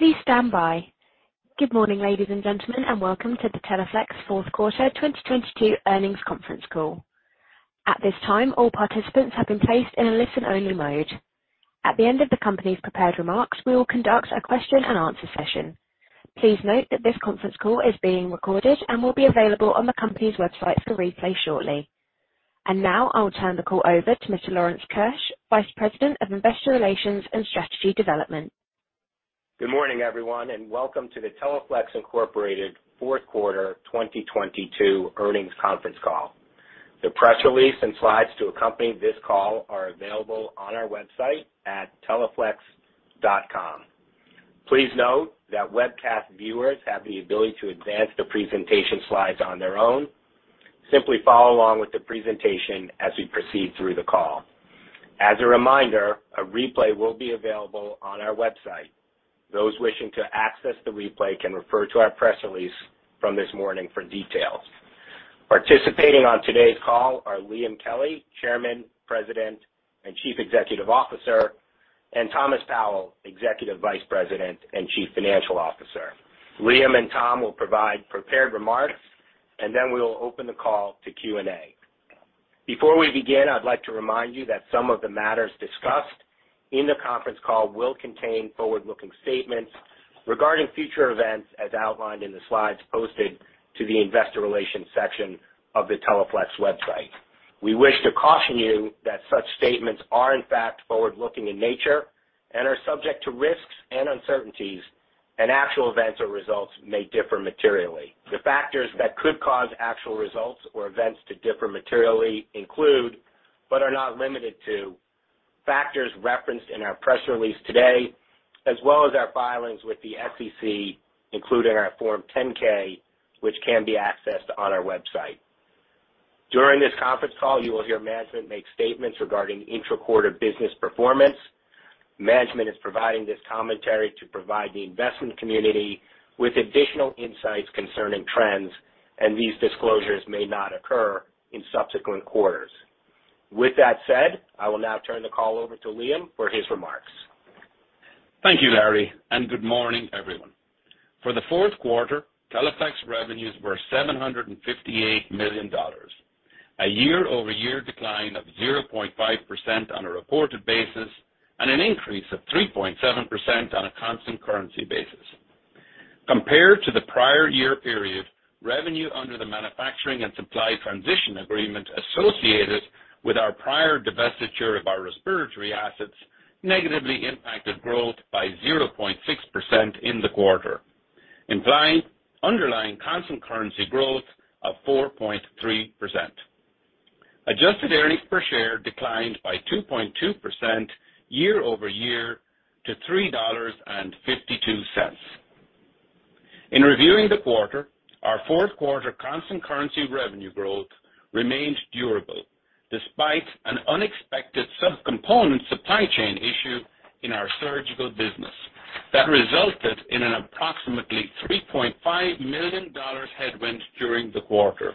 Please stand by. Good morning, ladies and gentlemen, and welcome to the Teleflex fourth quarter 2022 earnings conference call. At this time, all participants have been placed in a listen-only mode. At the end of the company's prepared remarks, we will conduct a question-and-answer session. Please note that this conference call is being recorded and will be available on the company's website for replay shortly. Now I will turn the call over to Mr. Lawrence Keusch, Vice President of Investor Relations and Strategy Development. Good morning, everyone, and welcome to the Teleflex Incorporated fourth quarter 2022 earnings conference call. The press release and slides to accompany this call are available on our website at teleflex.com. Please note that webcast viewers have the ability to advance the presentation slides on their own. Simply follow along with the presentation as we proceed through the call. As a reminder, a replay will be available on our website. Those wishing to access the replay can refer to our press release from this morning for details. Participating on today's call are Liam Kelly, Chairman, President, and Chief Executive Officer, and Thomas Powell, Executive Vice President and Chief Financial Officer. Liam and Tom will provide prepared remarks, and then we will open the call to Q&A. Before we begin, I'd like to remind you that some of the matters discussed in the conference call will contain forward-looking statements regarding future events as outlined in the slides posted to the investor relations section of the Teleflex website. We wish to caution you that such statements are, in fact, forward-looking in nature and are subject to risks and uncertainties. Actual events or results may differ materially. The factors that could cause actual results or events to differ materially include, but are not limited to, factors referenced in our press release today, as well as our filings with the SEC, including our Form 10-K, which can be accessed on our website. During this conference call, you will hear management make statements regarding intra-quarter business performance. Management is providing this commentary to provide the investment community with additional insights concerning trends, and these disclosures may not occur in subsequent quarters. With that said, I will now turn the call over to Liam for his remarks. Thank you, Larry. Good morning, everyone. For the fourth quarter, Teleflex revenues were $758 million, a year-over-year decline of 0.5% on a reported basis and an increase of 3.7% on a constant currency basis. Compared to the prior year period, revenue under the manufacturing and supply transition agreement associated with our prior divestiture of the respiratory assets negatively impacted growth by 0.6% in the quarter, implying underlying constant currency growth of 4.3%. Adjusted earnings per share declined by 2.2% year-over-year to $3.52. In reviewing the quarter, our fourth quarter constant currency revenue growth remained durable despite an unexpected sub-component supply chain issue in our surgical business that resulted in an approximately $3.5 million headwind during the quarter.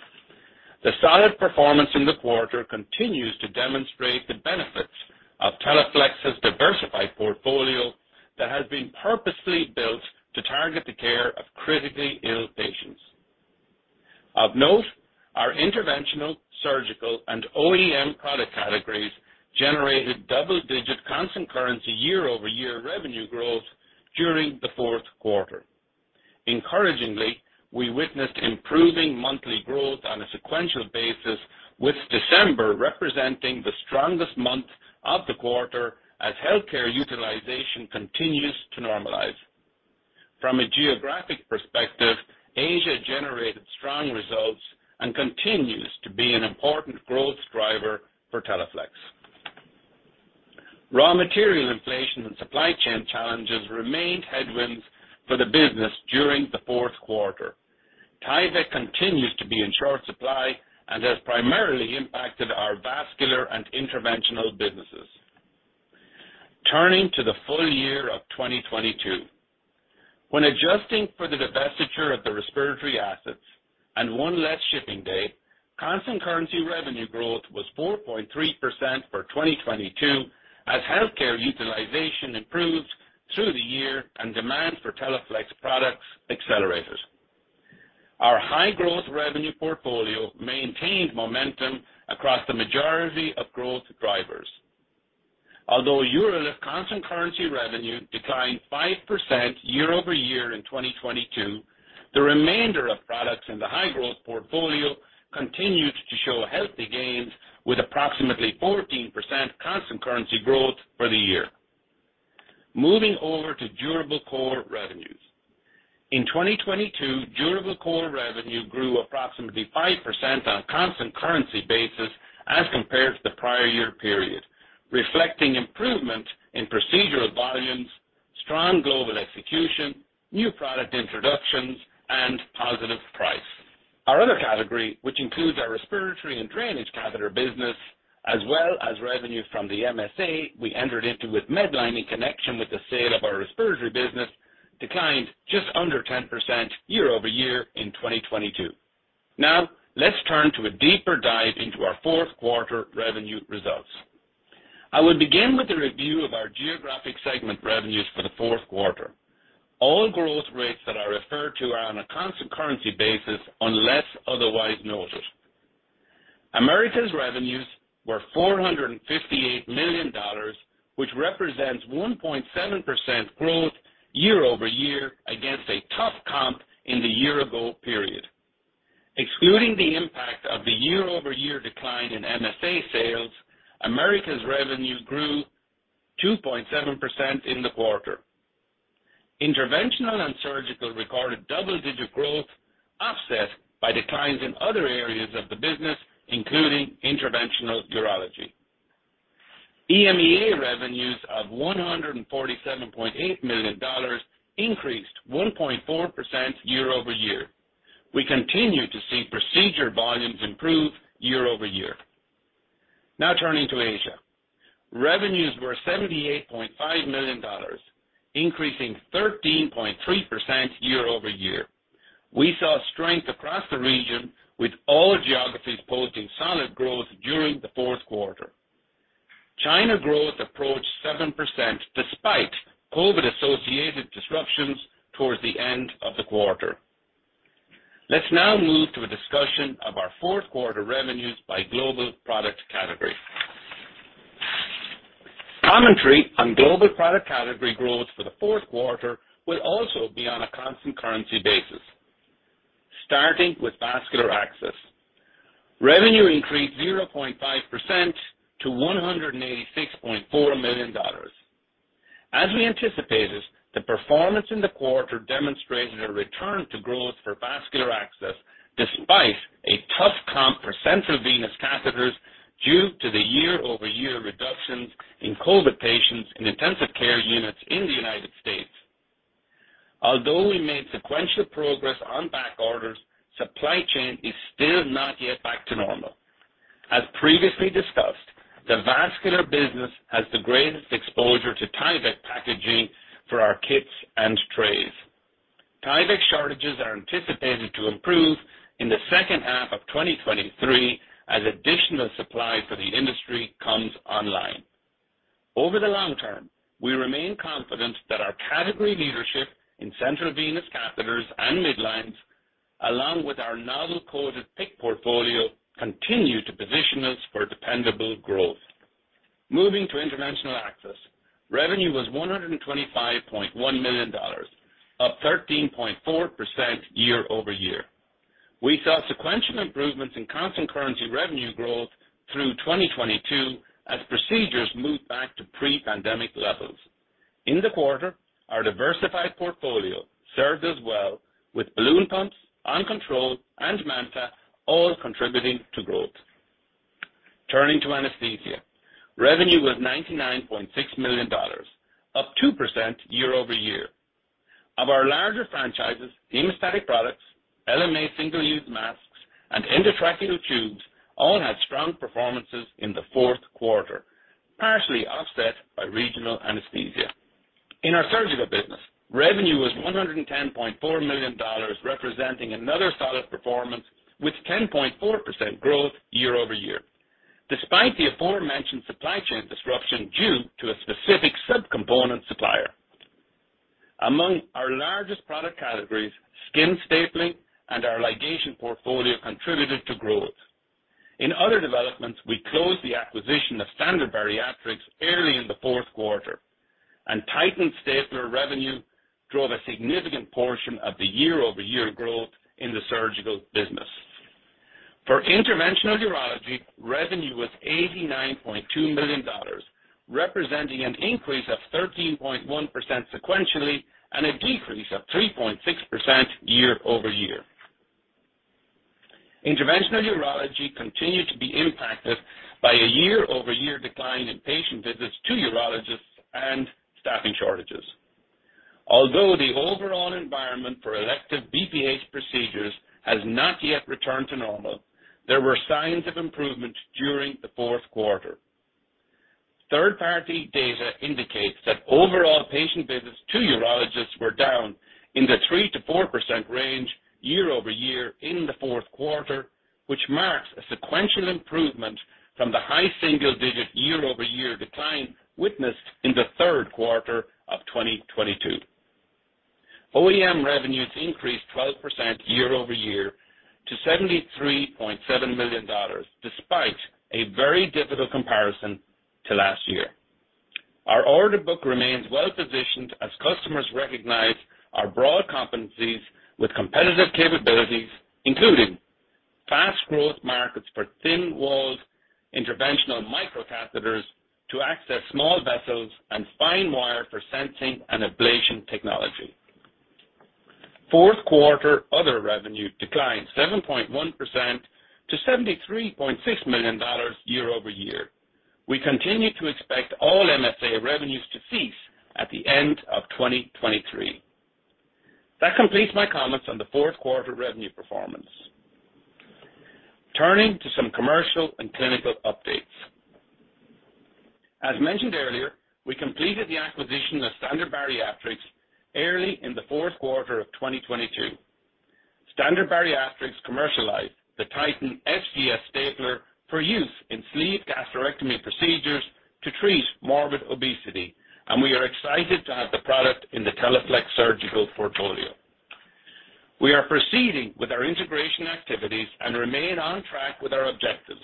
The solid performance in the quarter continues to demonstrate the benefits of Teleflex's diversified portfolio that has been purposely built to target the care of critically ill patients. Of note, our interventional, surgical, and OEM product categories generated double-digit constant currency year-over-year revenue growth during the fourth quarter. Encouragingly, we witnessed improving monthly growth on a sequential basis, with December representing the strongest month of the quarter as healthcare utilization continues to normalize. From a geographic perspective, Asia generated strong results and continues to be an important growth driver for Teleflex. Raw material inflation and supply chain challenges remained headwinds for the business during the fourth quarter. Tyvek continues to be in short supply and has primarily impacted our vascular and interventional businesses. Turning to the full year of 2022. When adjusting for the divestiture of the respiratory assets and one less shipping day, constant currency revenue growth was 4.3% for 2022 as healthcare utilization improved through the year and demand for Teleflex products accelerated. Our high-growth revenue portfolio maintained momentum across the majority of growth drivers. Although UroLift constant currency revenue declined 5% year-over-year in 2022, the remainder of products in the high-growth portfolio continued to show healthy gains with approximately 14% constant currency growth for the year. Moving over to durable core revenues. In 2022, durable core revenue grew approximately 5% on a constant currency basis as compared to the prior year period, reflecting improvement in procedural volumes, strong global execution, new product introductions, and positive price. Our other category, which includes our respiratory and drainage catheter business as well as revenue from the MSA we entered into with Medline in connection with the sale of our respiratory business, declined just under 10% year-over-year in 2022. Let's turn to a deeper dive into our fourth quarter revenue results. I will begin with a review of our geographic segment revenues for the fourth quarter. All growth rates that I refer to are on a constant currency basis unless otherwise noted. Americas revenues were $458 million, which represents 1.7% growth year-over-year against a tough comp in the year ago period. Excluding the impact of the year-over-year decline in MSA sales, Americas revenue grew 2.7% in the quarter. Interventional and surgical recorded double-digit growth, offset by declines in other areas of the business, including interventional urology. EMEA revenues of $147.8 million increased 1.4% year-over-year. We continue to see procedure volumes improve year-over-year. Now turning to Asia. Revenues were $78.5 million, increasing 13.3% year-over-year. We saw strength across the region, with all geographies posting solid growth during the fourth quarter. China growth approached 7% despite COVID-associated disruptions towards the end of the quarter. Let's now move to a discussion of our fourth quarter revenues by global product category. Commentary on global product category growth for the fourth quarter will also be on a constant currency basis. Starting with vascular access. Revenue increased 0.5% to $186.4 million. As we anticipated, the performance in the quarter demonstrated a return to growth for vascular access despite a tough comp for central venous catheters due to the year-over-year reductions in COVID patients in intensive care units in the United States. Although we made sequential progress on back orders, supply chain is still not yet back to normal. As previously discussed, the vascular business has the greatest exposure to Tyvek packaging for our kits and trays. Tyvek shortages are anticipated to improve in the second half of 2023 as additional supply for the industry comes online. Over the long term, we remain confident that our category leadership in central venous catheters and midlines, along with our novel coated PICC portfolio, continue to position us for dependable growth. Moving to interventional access. Revenue was $125.1 million, up 13.4% year-over-year. We saw sequential improvements in constant currency revenue growth through 2022 as procedures moved back to pre-pandemic levels. In the quarter, our diversified portfolio served us well with balloon pumps, OnControl and MANTA all contributing to growth. Turning to anesthesia. Revenue was $99.6 million, up 2% year-over-year. Of our larger franchises, hemostatic products, LMA single-use masks, and endotracheal tubes all had strong performances in the fourth quarter, partially offset by regional anesthesia. In our surgical business, revenue was $110.4 million, representing another solid performance with 10.4% growth year-over-year, despite the aforementioned supply chain disruption due to a specific sub-component supplier. Among our largest product categories, skin stapling and our ligation portfolio contributed to growth. In other developments, we closed the acquisition of Standard Bariatrics early in the fourth quarter, and Titan stapler revenue drove a significant portion of the year-over-year growth in the surgical business. For interventional urology, revenue was $89.2 million, representing an increase of 13.1% sequentially and a decrease of 3.6% year-over-year. Interventional urology continued to be impacted by a year-over-year decline in patient visits to urologists and staffing shortages. Although the overall environment for elective BPH procedures has not yet returned to normal, there were signs of improvement during the fourth quarter. Third-party data indicates that overall patient visits to urologists were down in the 3%-4% range year-over-year in the fourth quarter, which marks a sequential improvement from the high single-digit year-over-year decline witnessed in the third quarter of 2022. OEM revenues increased 12% year-over-year to $73.7 million, despite a very difficult comparison to last year. Our order book remains well-positioned as customers recognize our broad competencies with competitive capabilities, including fast growth markets for thin-walled interventional micro catheters to access small vessels and fine wire for sensing and ablation technology. Fourth quarter other revenue declined 7.1% to $73.6 million year-over-year. We continue to expect all MSA revenues to cease at the end of 2023. That completes my comments on the fourth quarter revenue performance. Turning to some commercial and clinical updates. As mentioned earlier, we completed the acquisition of Standard Bariatrics early in the fourth quarter of 2022. Standard Bariatrics commercialized the Titan SGS Stapler for use in sleeve gastrectomy procedures to treat morbid obesity, and we are excited to have the product in the Teleflex surgical portfolio. We are proceeding with our integration activities and remain on track with our objectives.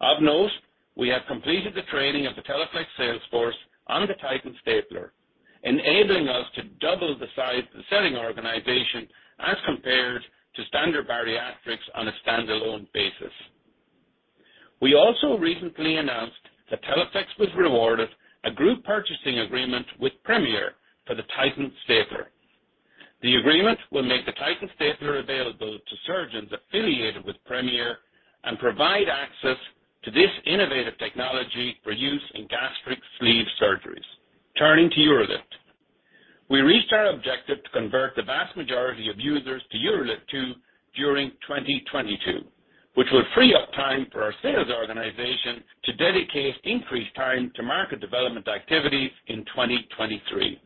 Of note, we have completed the training of the Teleflex sales force on the Titan Stapler, enabling us to double the size of the selling organization as compared to Standard Bariatrics on a standalone basis. We also recently announced that Teleflex was rewarded a group purchasing agreement with Premier for the Titan Stapler. The agreement will make the Titan Stapler available to surgeons affiliated with Premier and provide access to this innovative technology for use in gastric sleeve surgeries. Turning to UroLift. We reached our objective to convert the vast majority of users to UroLift 2 during 2022, which will free up time for our sales organization to dedicate increased time to market development activities in 2023.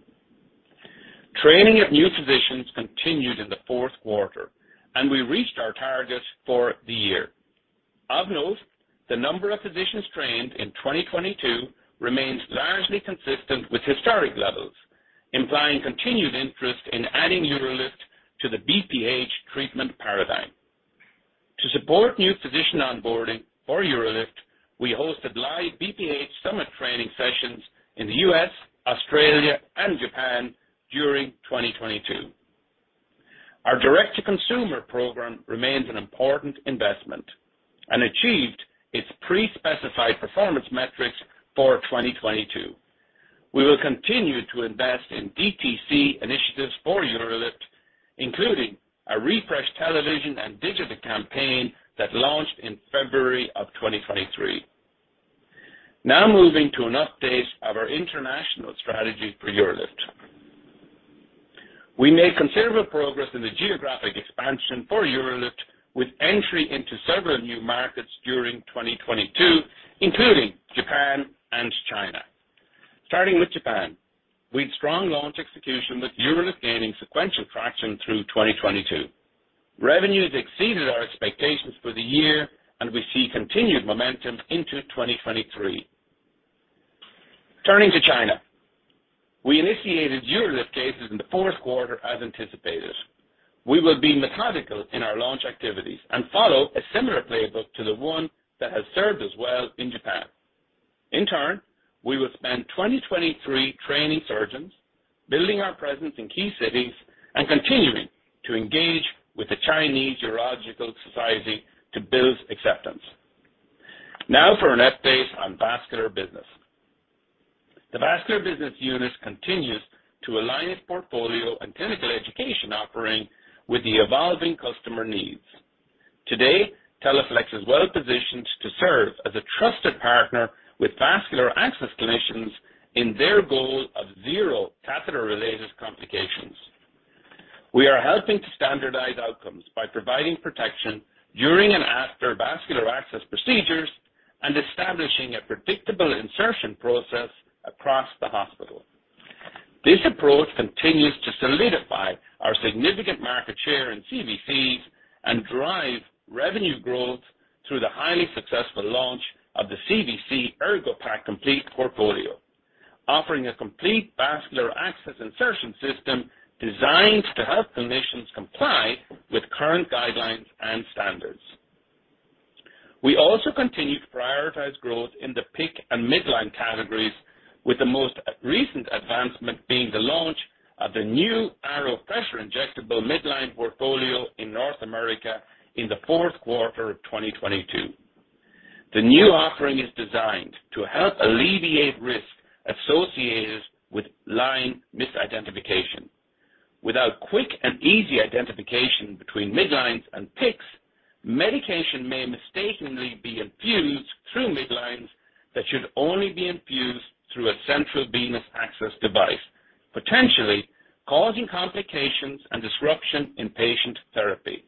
Training of new physicians continued in the fourth quarter, and we reached our targets for the year. Of note, the number of physicians trained in 2022 remains largely consistent with historic levels, implying continued interest in adding UroLift to the BPH treatment paradigm. To support new physician onboarding for UroLift, we hosted live BPH summit training sessions in the U.S., Australia, and Japan during 2022. Our direct-to-consumer program remains an important investment and achieved its pre-specified performance metrics for 2022. We will continue to invest in DTC initiatives for UroLift, including a refreshed television and digital campaign that launched in February of 2023. Moving to an update of our international strategy for UroLift. We made considerable progress in the geographic expansion for UroLift, with entry into several new markets during 2022, including Japan and China. Starting with Japan, we had strong launch execution, with UroLift gaining sequential traction through 2022. Revenues exceeded our expectations for the year, we see continued momentum into 2023. Turning to China, we initiated UroLift cases in the fourth quarter as anticipated. We will be methodical in our launch activities, follow a similar playbook to the one that has served us well in Japan. We will spend 2023 training surgeons, building our presence in key cities, and continuing to engage with the Chinese Urological Association to build acceptance. For an update on Vascular business. The Vascular business unit continues to align its portfolio and clinical education offering with the evolving customer needs. Today, Teleflex is well positioned to serve as a trusted partner with Vascular access clinicians in their goal of zero catheter-related complications. We are helping to standardize outcomes by providing protection during and after Vascular access procedures and establishing a predictable insertion process across the hospital. This approach continues to solidify our significant market share in CVCs and drive revenue growth through the highly successful launch of the CVC ErgoPack Complete portfolio, offering a complete Vascular access insertion system designed to help clinicians comply with current guidelines and standards. We also continue to prioritize growth in the PICC and midline categories, with the most recent advancement being the launch of the new Arrow Pressure Injectable Midline portfolio in North America in the fourth quarter of 2022. The new offering is designed to help alleviate risk associated with line misidentification. Without quick and easy identification between midlines and PICCs, medication may mistakenly be infused through midlines that should only be infused through a central venous access device, potentially causing complications and disruption in patient therapy.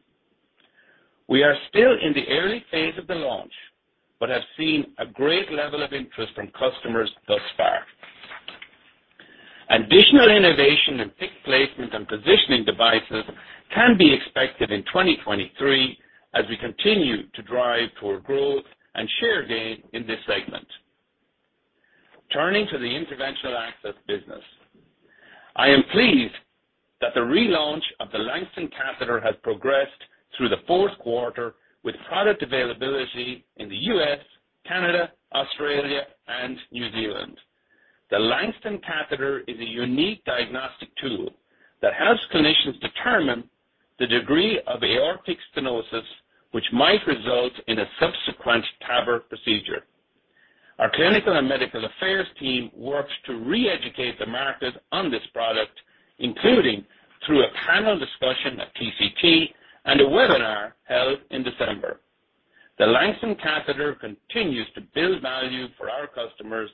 We are still in the early phase of the launch but have seen a great level of interest from customers thus far. Additional innovation in PICC placement and positioning devices can be expected in 2023 as we continue to drive toward growth and share gain in this segment. Turning to the Interventional Access business. I am pleased that the relaunch of the Langston catheter has progressed through the fourth quarter with product availability in the U.S., Canada, Australia, and New Zealand. The Langston catheter is a unique diagnostic tool that helps clinicians determine the degree of aortic stenosis, which might result in a subsequent TAVR procedure. Our clinical and medical affairs team works to re-educate the market on this product, including through a panel discussion at TCT and a webinar held in December. The Langston catheter continues to build value for our customers,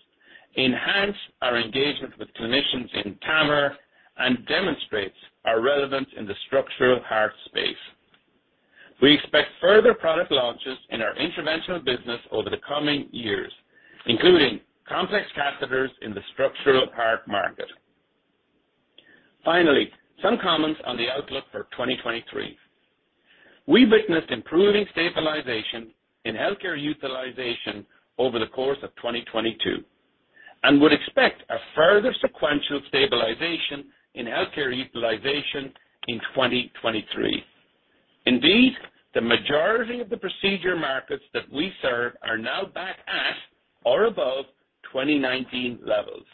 enhance our engagement with clinicians in TAVR, and demonstrates our relevance in the structural heart space. We expect further product launches in our interventional business over the coming years, including complex catheters in the structural heart market. Some comments on the outlook for 2023. We've witnessed improving stabilization in healthcare utilization over the course of 2022, and would expect a further sequential stabilization in healthcare utilization in 2023. Indeed, the majority of the procedure markets that we serve are now back at or above 2019 levels.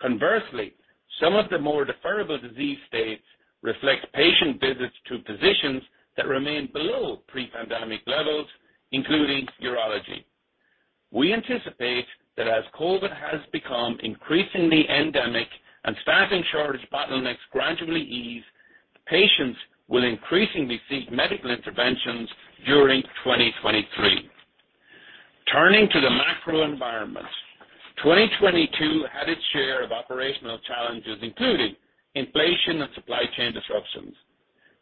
Conversely, some of the more deferrable disease states reflect patient visits to physicians that remain below pre-pandemic levels, including urology. We anticipate that as COVID has become increasingly endemic and staffing shortage bottlenecks gradually ease, patients will increasingly seek medical interventions during 2023. Turning to the macro environment. 2022 had its share of operational challenges, including inflation and supply chain disruptions.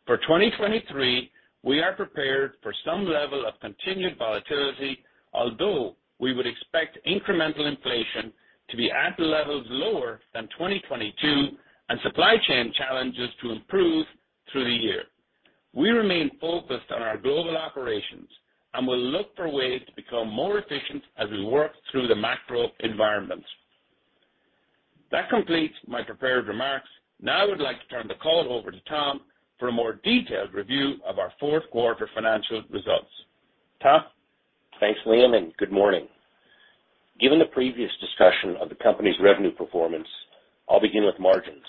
For 2023, we are prepared for some level of continued volatility, although we would expect incremental inflation to be at levels lower than 2022 and supply chain challenges to improve through the year. We remain focused on our global operations and will look for ways to become more efficient as we work through the macro environment. That completes my prepared remarks. Now I would like to turn the call over to Thomas for a more detailed review of our fourth quarter financial results. Thomas? Thanks, Liam, and good morning. Given the previous discussion of the company's revenue performance, I'll begin with margins.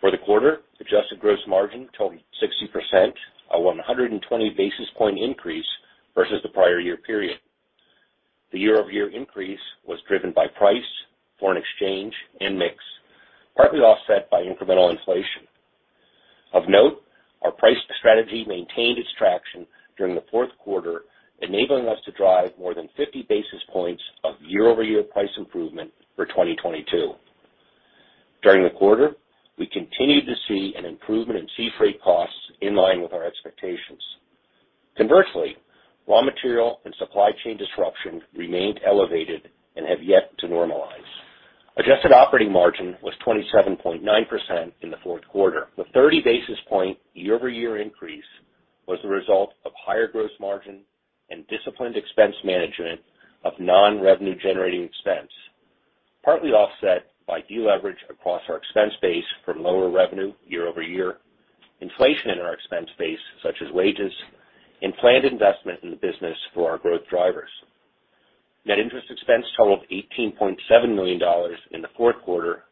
For the quarter, adjusted gross margin totaled 60%, a 120 basis point increase versus the prior year period. The year-over-year increase was driven by price, foreign exchange, and mix, partly offset by incremental inflation. Of note, our price strategy maintained its traction during the fourth quarter, enabling us to drive more than 50 basis points of year-over-year price improvement for 2022. During the quarter, we continued to see an improvement in sea freight costs in line with our expectations. Conversely, raw material and supply chain disruption remained elevated and have yet to normalize. Adjusted operating margin was 27.9% in the fourth quarter. The 30 basis point year-over-year increase was the result of higher gross margin and disciplined expense management of non-revenue generating expense, partly offset by deleverage across our expense base from lower revenue year-over-year, inflation in our expense base such as wages, and planned investment in the business for our growth drivers. Net interest expense totaled $18.7 million in the fourth quarter,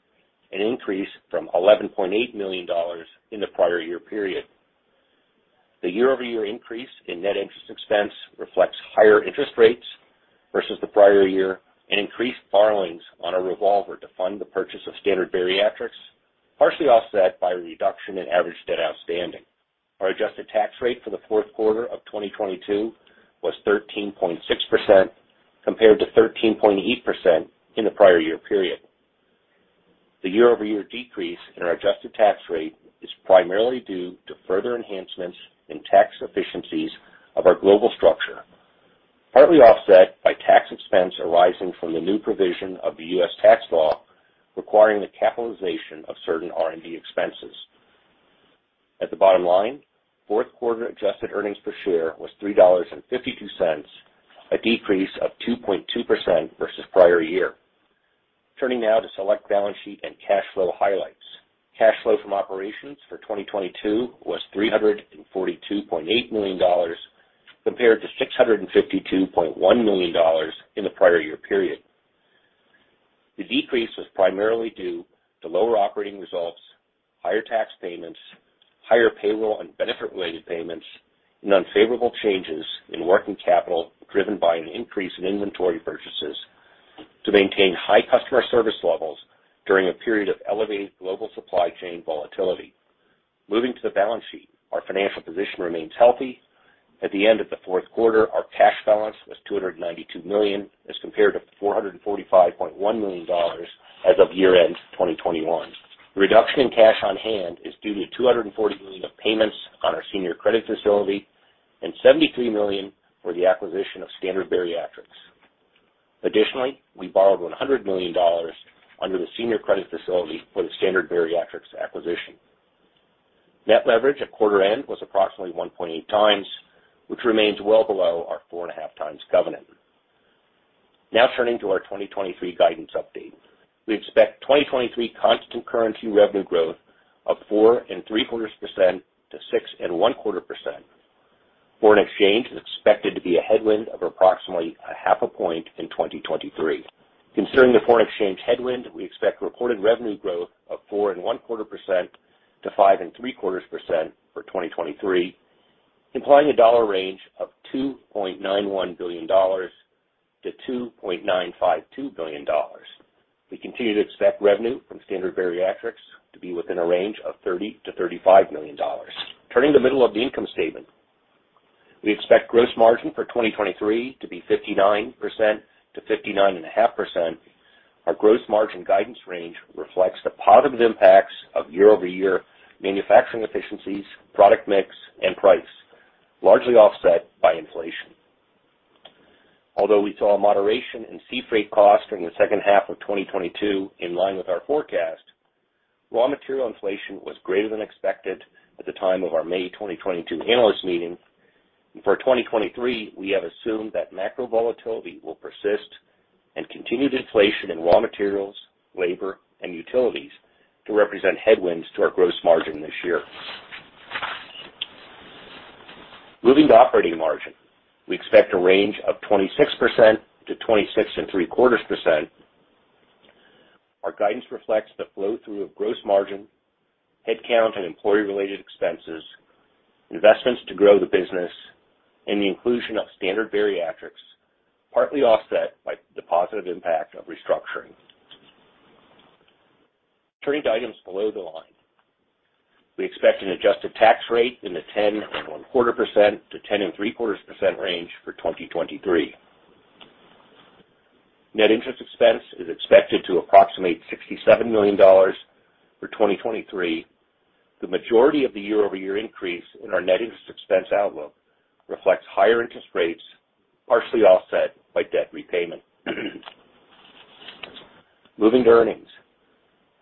an increase from $11.8 million in the prior year period. The year-over-year increase in net interest expense reflects higher interest rates versus the prior year and increased borrowings on a revolver to fund the purchase of Standard Bariatrics, partially offset by a reduction in average debt outstanding. Our adjusted tax rate for the fourth quarter of 2022 was 13.6% compared to 13.8% in the prior year period. The year-over-year decrease in our adjusted tax rate is primarily due to further enhancements in tax efficiencies of our global structure, partly offset by tax expense arising from the new provision of the U.S. tax law requiring the capitalization of certain R&D expenses. At the bottom line, fourth quarter adjusted earnings per share was $3.52, a decrease of 2.2% versus prior year. Turning now to select balance sheet and cash flow highlights. Cash flow from operations for 2022 was $342.8 million compared to $652.1 million in the prior year period. The decrease was primarily due to lower operating results, higher tax payments, higher payroll and benefit-related payments, and unfavorable changes in working capital driven by an increase in inventory purchases to maintain high customer service levels during a period of elevated global supply chain volatility. Moving to the balance sheet. Our financial position remains healthy. At the end of the fourth quarter, our cash balance was $292 million as compared to $445.1 million as of year-end 2021. The reduction in cash on hand is due to $240 million of payments on our senior credit facility and $73 million for the acquisition of Standard Bariatrics. We borrowed $100 million under the senior credit facility for the Standard Bariatrics acquisition. Net leverage at quarter end was approximately 1.8 times, which remains well below our 4.5 times covenant. Turning to our 2023 guidance update. We expect 2023 constant currency revenue growth of 4.75% to 6.25%. Foreign exchange is expected to be a headwind of approximately 0.5 points in 2023. Concerning the foreign exchange headwind, we expect reported revenue growth of 4.25% to 5.75% for 2023, implying a dollar range of $2.91 billion-$2.952 billion. We continue to expect revenue from Standard Bariatrics to be within a range of $30 million-$35 million. Turning to middle of the income statement. We expect gross margin for 2023 to be 59%-59.5%. Our gross margin guidance range reflects the positive impacts of year-over-year manufacturing efficiencies, product mix, and price, largely offset by inflation. Although we saw a moderation in sea freight costs during the second half of 2022 in line with our forecast, raw material inflation was greater than expected at the time of our May 2022 Analyst Meeting. For 2023, we have assumed that macro volatility will persist and continued inflation in raw materials, labor, and utilities to represent headwinds to our gross margin this year. Moving to operating margin. We expect a range of 26%-26.75%. Our guidance reflects the flow-through of gross margin, headcount and employee related expenses, investments to grow the business, and the inclusion of Standard Bariatrics, partly offset by the positive impact of restructuring. Turning to items below the line. We expect an adjusted tax rate in the 10.25%-10.75% range for 2023. Net interest expense is expected to approximate $67 million for 2023. The majority of the year-over-year increase in our net interest expense outlook reflects higher interest rates, partially offset by debt repayment. Moving to earnings.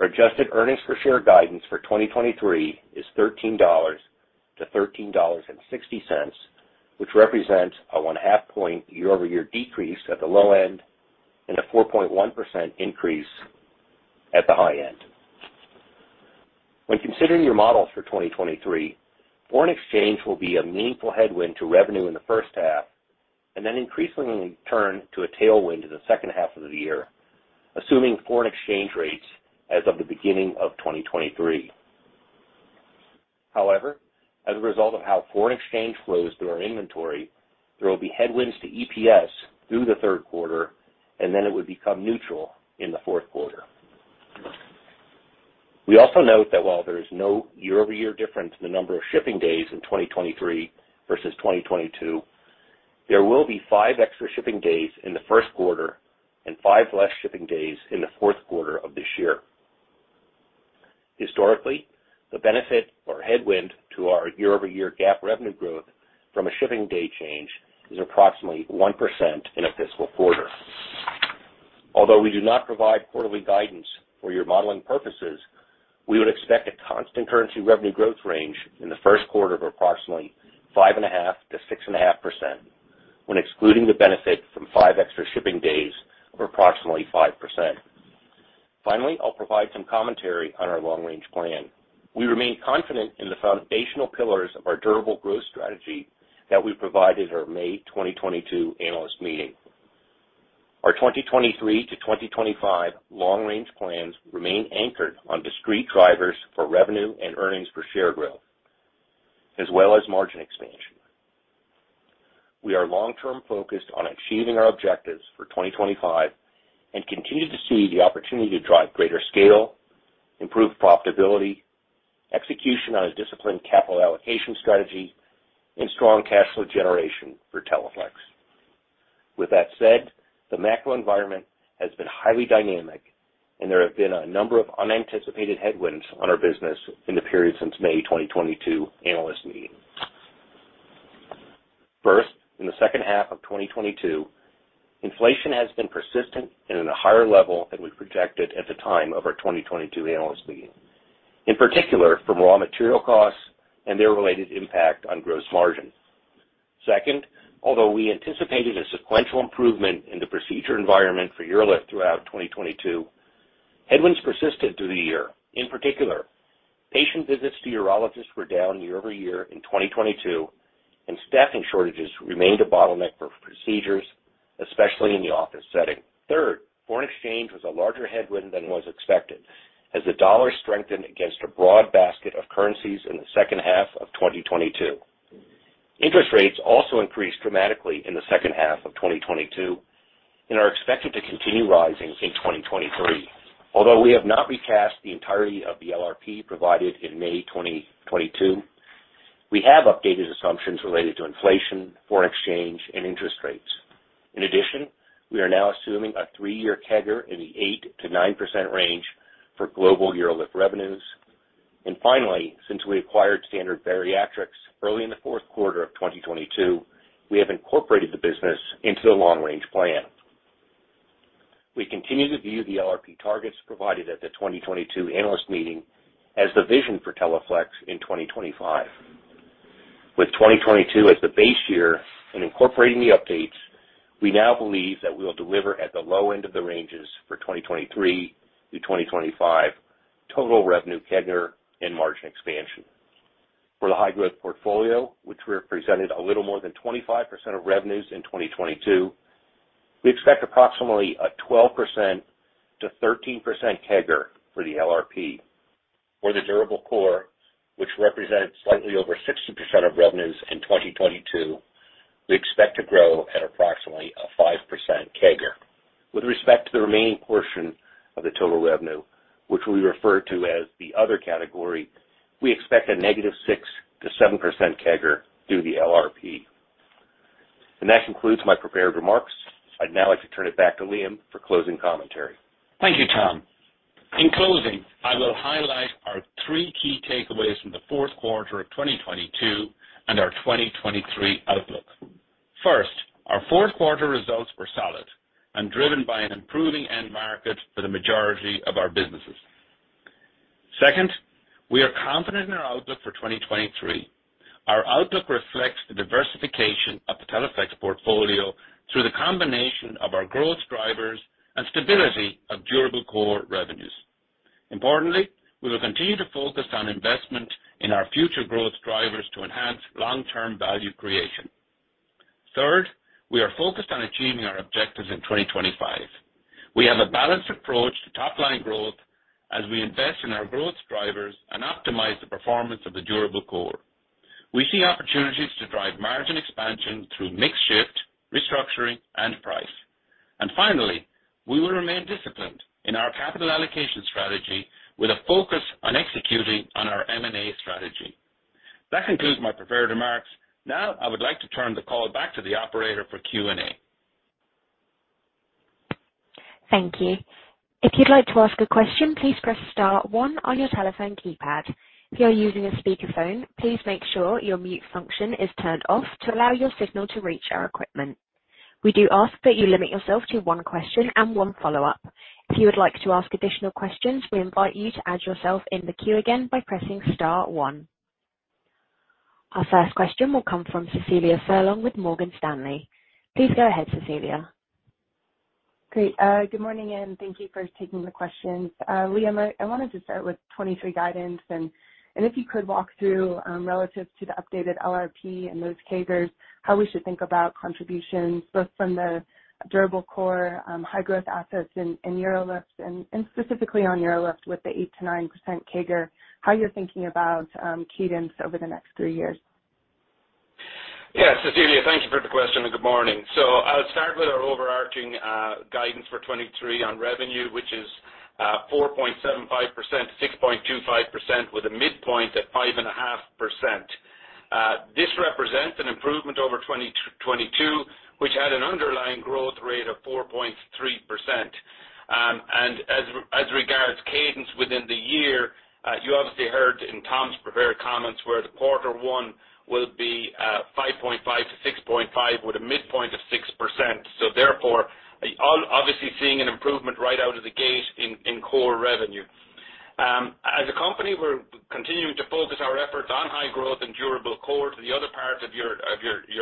Our adjusted earnings per share guidance for 2023 is $13-$13.60, which represents a 0.5 point year-over-year decrease at the low end and a 4.1% increase at the high end. When considering your models for 2023, foreign exchange will be a meaningful headwind to revenue in the first half, and then increasingly turn to a tailwind in the second half of the year, assuming foreign exchange rates as of the beginning of 2023. However, as a result of how foreign exchange flows through our inventory, there will be headwinds to EPS through the third quarter, and then it would become neutral in the fourth quarter. We also note that while there is no year-over-year difference in the number of shipping days in 2023 versus 2022, there will be 5 extra shipping days in the first quarter and 5 less shipping days in the fourth quarter of this year. Historically, the benefit or headwind to our year-over-year GAAP revenue growth from a shipping day change is approximately 1% in a fiscal quarter. Although we do not provide quarterly guidance for your modeling purposes, we would expect a constant currency revenue growth range in the first quarter of approximately 5.5%-6.5% when excluding the benefit from five extra shipping days of approximately 5%. I'll provide some commentary on our long-range plan. We remain confident in the foundational pillars of our durable growth strategy that we provided our May 2022 analyst meeting. Our 2023-2025 long-range plans remain anchored on discrete drivers for revenue and EPS growth, as well as margin expansion. We are long-term focused on achieving our objectives for 2025 and continue to see the opportunity to drive greater scale, improve profitability, execution on a disciplined capital allocation strategy, and strong cash flow generation for Teleflex. With that said, the macro environment has been highly dynamic. There have been a number of unanticipated headwinds on our business in the period since May 2022 Analyst Meeting. First, in the second half of 2022, inflation has been persistent and at a higher level than we projected at the time of our 2022 Analyst Meeting, in particular from raw material costs and their related impact on gross margin. Second, although we anticipated a sequential improvement in the procedure environment for UroLift throughout 2022, headwinds persisted through the year. In particular, patient visits to urologists were down year-over-year in 2022. Staffing shortages remained a bottleneck for procedures, especially in the office setting. Third, foreign exchange was a larger headwind than was expected as the dollar strengthened against a broad basket of currencies in the second half of 2022. Interest rates also increased dramatically in the second half of 2022 and are expected to continue rising in 2023. Although we have not recast the entirety of the LRP provided in May 2022, we have updated assumptions related to inflation, foreign exchange, and interest rates. In addition, we are now assuming a 3-year CAGR in the 8%-9% range for global UroLift revenues. Finally, since we acquired Standard Bariatrics early in the fourth quarter of 2022, we have incorporated the business into the long-range plan. We continue to view the LRP targets provided at the 2022 Analyst Meeting as the vision for Teleflex in 2025. With 2022 as the base year and incorporating the updates, we now believe that we will deliver at the low end of the ranges for 2023 through 2025 total revenue CAGR and margin expansion. For the high-growth portfolio, which represented a little more than 25% of revenues in 2022, we expect approximately a 12%-13% CAGR for the LRP. For the durable core, which represents slightly over 60% of revenues in 2022, we expect to grow at approximately a 5% CAGR. With respect to the remaining portion of the total revenue, which we refer to as the other category, we expect a negative 6%-7% CAGR through the LRP. That concludes my prepared remarks. I'd now like to turn it back to Liam for closing commentary. Thank you, Thomas Powell. In closing, I will highlight our three key takeaways from the fourth quarter of 2022 and our 2023 outlook. Our fourth quarter results were solid and driven by an improving end market for the majority of our businesses. We are confident in our outlook for 2023. Our outlook reflects the diversification of the Teleflex portfolio through the combination of our growth drivers and stability of durable core revenues. Importantly, we will continue to focus on investment in our future growth drivers to enhance long-term value creation. We are focused on achieving our objectives in 2025. We have a balanced approach to top line growth as we invest in our growth drivers and optimize the performance of the durable core. We see opportunities to drive margin expansion through mix shift, restructuring and price. Finally, we will remain disciplined in our capital allocation strategy with a focus on executing on our M&A strategy. That concludes my prepared remarks. Now, I would like to turn the call back to the operator for Q&A. Thank you. If you'd like to ask a question, please press star one on your telephone keypad. If you are using a speakerphone, please make sure your mute function is turned off to allow your signal to reach our equipment. We do ask that you limit yourself to one question and one follow-up. If you would like to ask additional questions, we invite you to add yourself in the queue again by pressing star one. Our first question will come from Cecilia Furlong with Morgan Stanley. Please go ahead, Cecilia. Great. Good morning, and thank you for taking the questions. Liam, I wanted to start with 2023 guidance, if you could walk through relative to the updated LRP and those CAGRs, how we should think about contributions both from the durable core, high growth assets in UroLift and specifically on UroLift with the 8%-9% CAGR, how you're thinking about cadence over the next 3 years. Cecilia, thank you for the question and good morning. I'll start with our overarching guidance for 2023 on revenue, which is 4.75%-6.25% with a midpoint at 5.5%. This represents an improvement over 2022, which had an underlying growth rate of 4.3%. As regards cadence within the year, you obviously heard in Tom's prepared comments where the quarter one will be 5.5%-6.5% with a midpoint of 6%. Therefore, obviously seeing an improvement right out of the gate in core revenue. As a company, we're continuing to focus our efforts on high growth and durable core to the other parts of your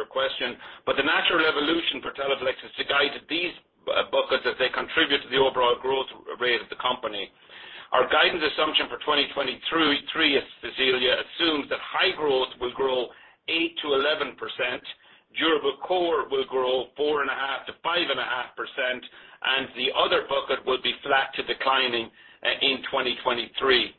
question. The natural evolution for Teleflex is to guide these buckets as they contribute to the overall growth rate of the company. Our guidance assumption for 2023, Cecilia, assumes that high growth will grow 8%-11%, durable core will grow 4.5%-5.5%, and the other bucket will be flat to declining in 2023.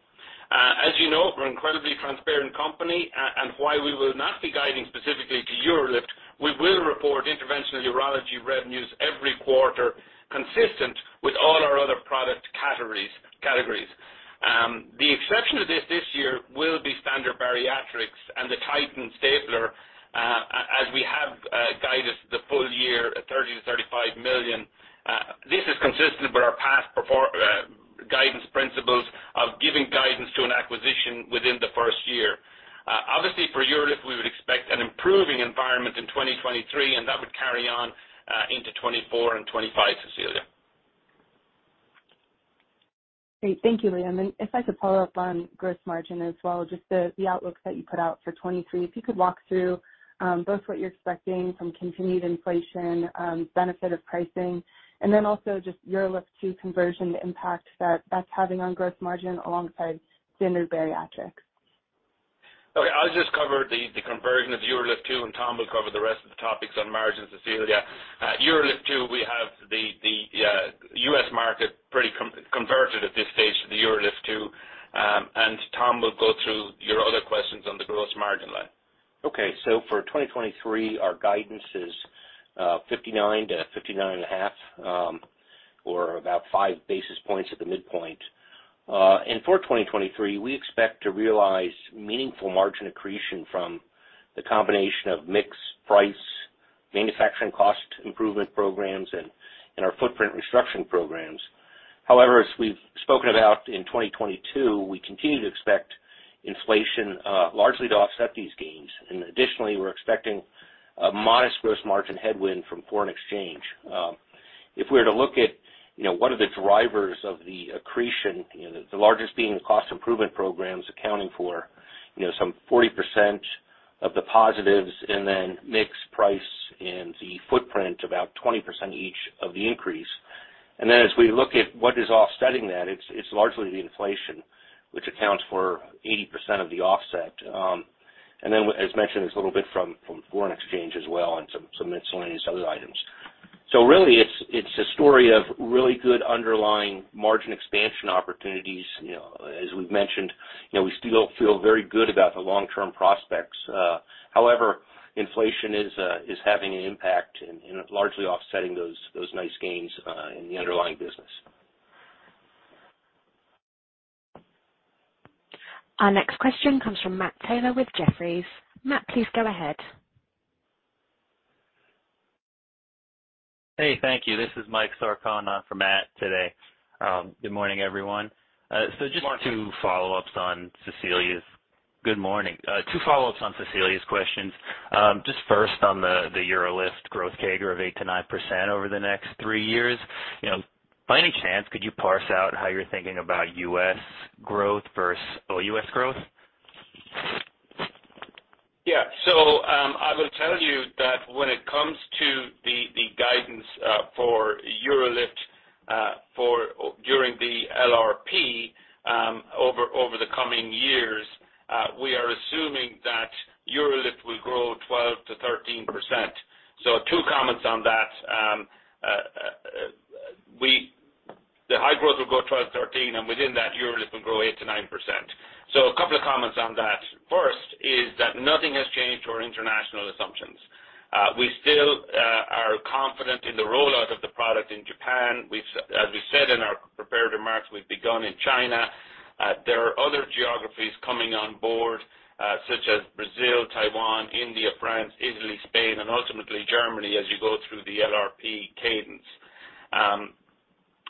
As you know, we're an incredibly transparent company, and while we will not be guiding specifically to UroLift, we will report interventional urology revenues every quarter, consistent with all our other product categories. The exception to this year will be Standard Bariatrics and the Titan stapler, as we have guided the full year at $30 million-$35 million. This is consistent with our past guidance principles of giving guidance to an acquisition within the first year. obviously for UroLift, we would expect an improving environment in 2023. That would carry on, into 2024 and 2025, Cecilia. Great. Thank you, Liam. If I could follow up on gross margin as well, just the outlook that you put out for 2023. If you could walk through both what you're expecting from continued inflation, benefit of pricing, and then also just UroLift 2 conversion impact that's having on gross margin alongside Standard Bariatrics? Okay. I'll just cover the conversion of UroLift 2. Tom will cover the rest of the topics on margins, Cecilia. UroLift 2, we have the U.S. market pretty converted at this stage to the UroLift 2. Tom will go through your other questions on the gross margin line. Okay. For 2023, our guidance is $59-$59 and a half, or about 5 basis points at the midpoint. For 2023, we expect to realize meaningful margin accretion from the combination of mix, price, manufacturing cost improvement programs and our footprint restructuring programs. However, as we've spoken about in 2022, we continue to expect inflation largely to offset these gains. Additionally, we're expecting a modest gross margin headwind from foreign exchange. If we were to look at, you know, what are the drivers of the accretion, you know, the largest being cost improvement programs accounting for, you know, some 40% of the positives and then mix price and the footprint about 20% each of the increase. As we look at what is offsetting that, it's largely the inflation which accounts for 80% of the offset. As mentioned, it's a little bit from foreign exchange as well and some miscellaneous other items. Really it's a story of really good underlying margin expansion opportunities. You know, as we've mentioned, you know, we still feel very good about the long-term prospects. Inflation is having an impact and largely offsetting those nice gains in the underlying business. Our next question comes from Matt Taylor with Jefferies. Matt, please go ahead. Hey, thank you. This is Mike Sarcone for Matt today. Good morning, everyone. Good morning. Good morning. Two follow-ups on Cecilia's questions. Just first on the UroLift growth CAGR of 8%-9% over the next three years. You know, by any chance, could you parse out how you're thinking about U.S. growth versus OUS growth? Yeah. I will tell you that when it comes to the guidance for UroLift, for, during the LRP, over the coming years, we are assuming that UroLift will grow 12%-13%. Two comments on that. The high growth will grow 12%-13%, and within that, UroLift will grow 8%-9%. A couple of comments on that. First is that nothing has changed our international assumptions. We still are confident in the rollout of the product in Japan. As we said in our prepared remarks, we've begun in China. There are other geographies coming on board, such as Brazil, Taiwan, India, France, Italy, Spain, and ultimately Germany, as you go through the LRP cadence.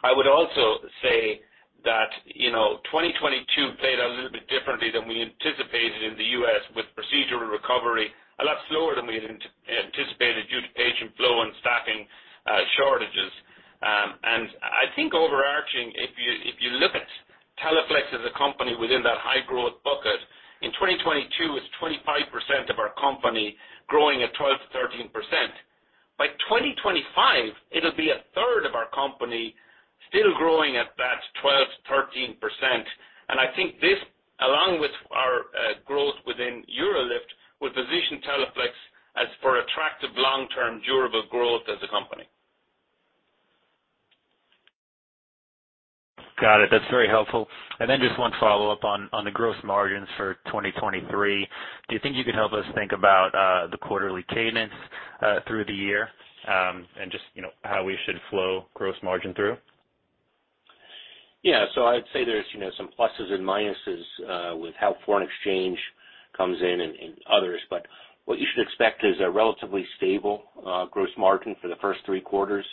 I would also say that, you know, 2022 played out a little bit differently than we anticipated in the U.S. with procedural recovery, a lot slower than we had anticipated due to patient flow and staffing shortages. I think overarching, if you, if you look at Teleflex as a company within that high-growth bucket, in 2022 it's 25% of our company growing at 12%-13%. By 2025, it'll be a third of our company still growing at that 12%-13%. I think this, along with our growth within UroLift, will position Teleflex as for attractive long-term durable growth as a company. Got it. That's very helpful. Just one follow-up on the gross margins for 2023. Do you think you could help us think about the quarterly cadence through the year, and just, you know, how we should flow gross margin through? Yeah. I'd say there's, you know, some pluses and minuses with how foreign exchange comes in and others. What you should expect is a relatively stable gross margin for the first 3 quarters,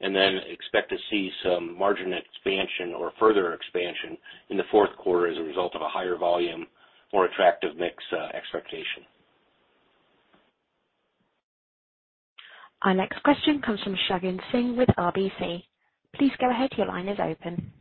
and then expect to see some margin expansion or further expansion in the fourth quarter as a result of a higher volume, more attractive mix expectation. Our next question comes from Shagun Singh with RBC. Please go ahead. Your line is open.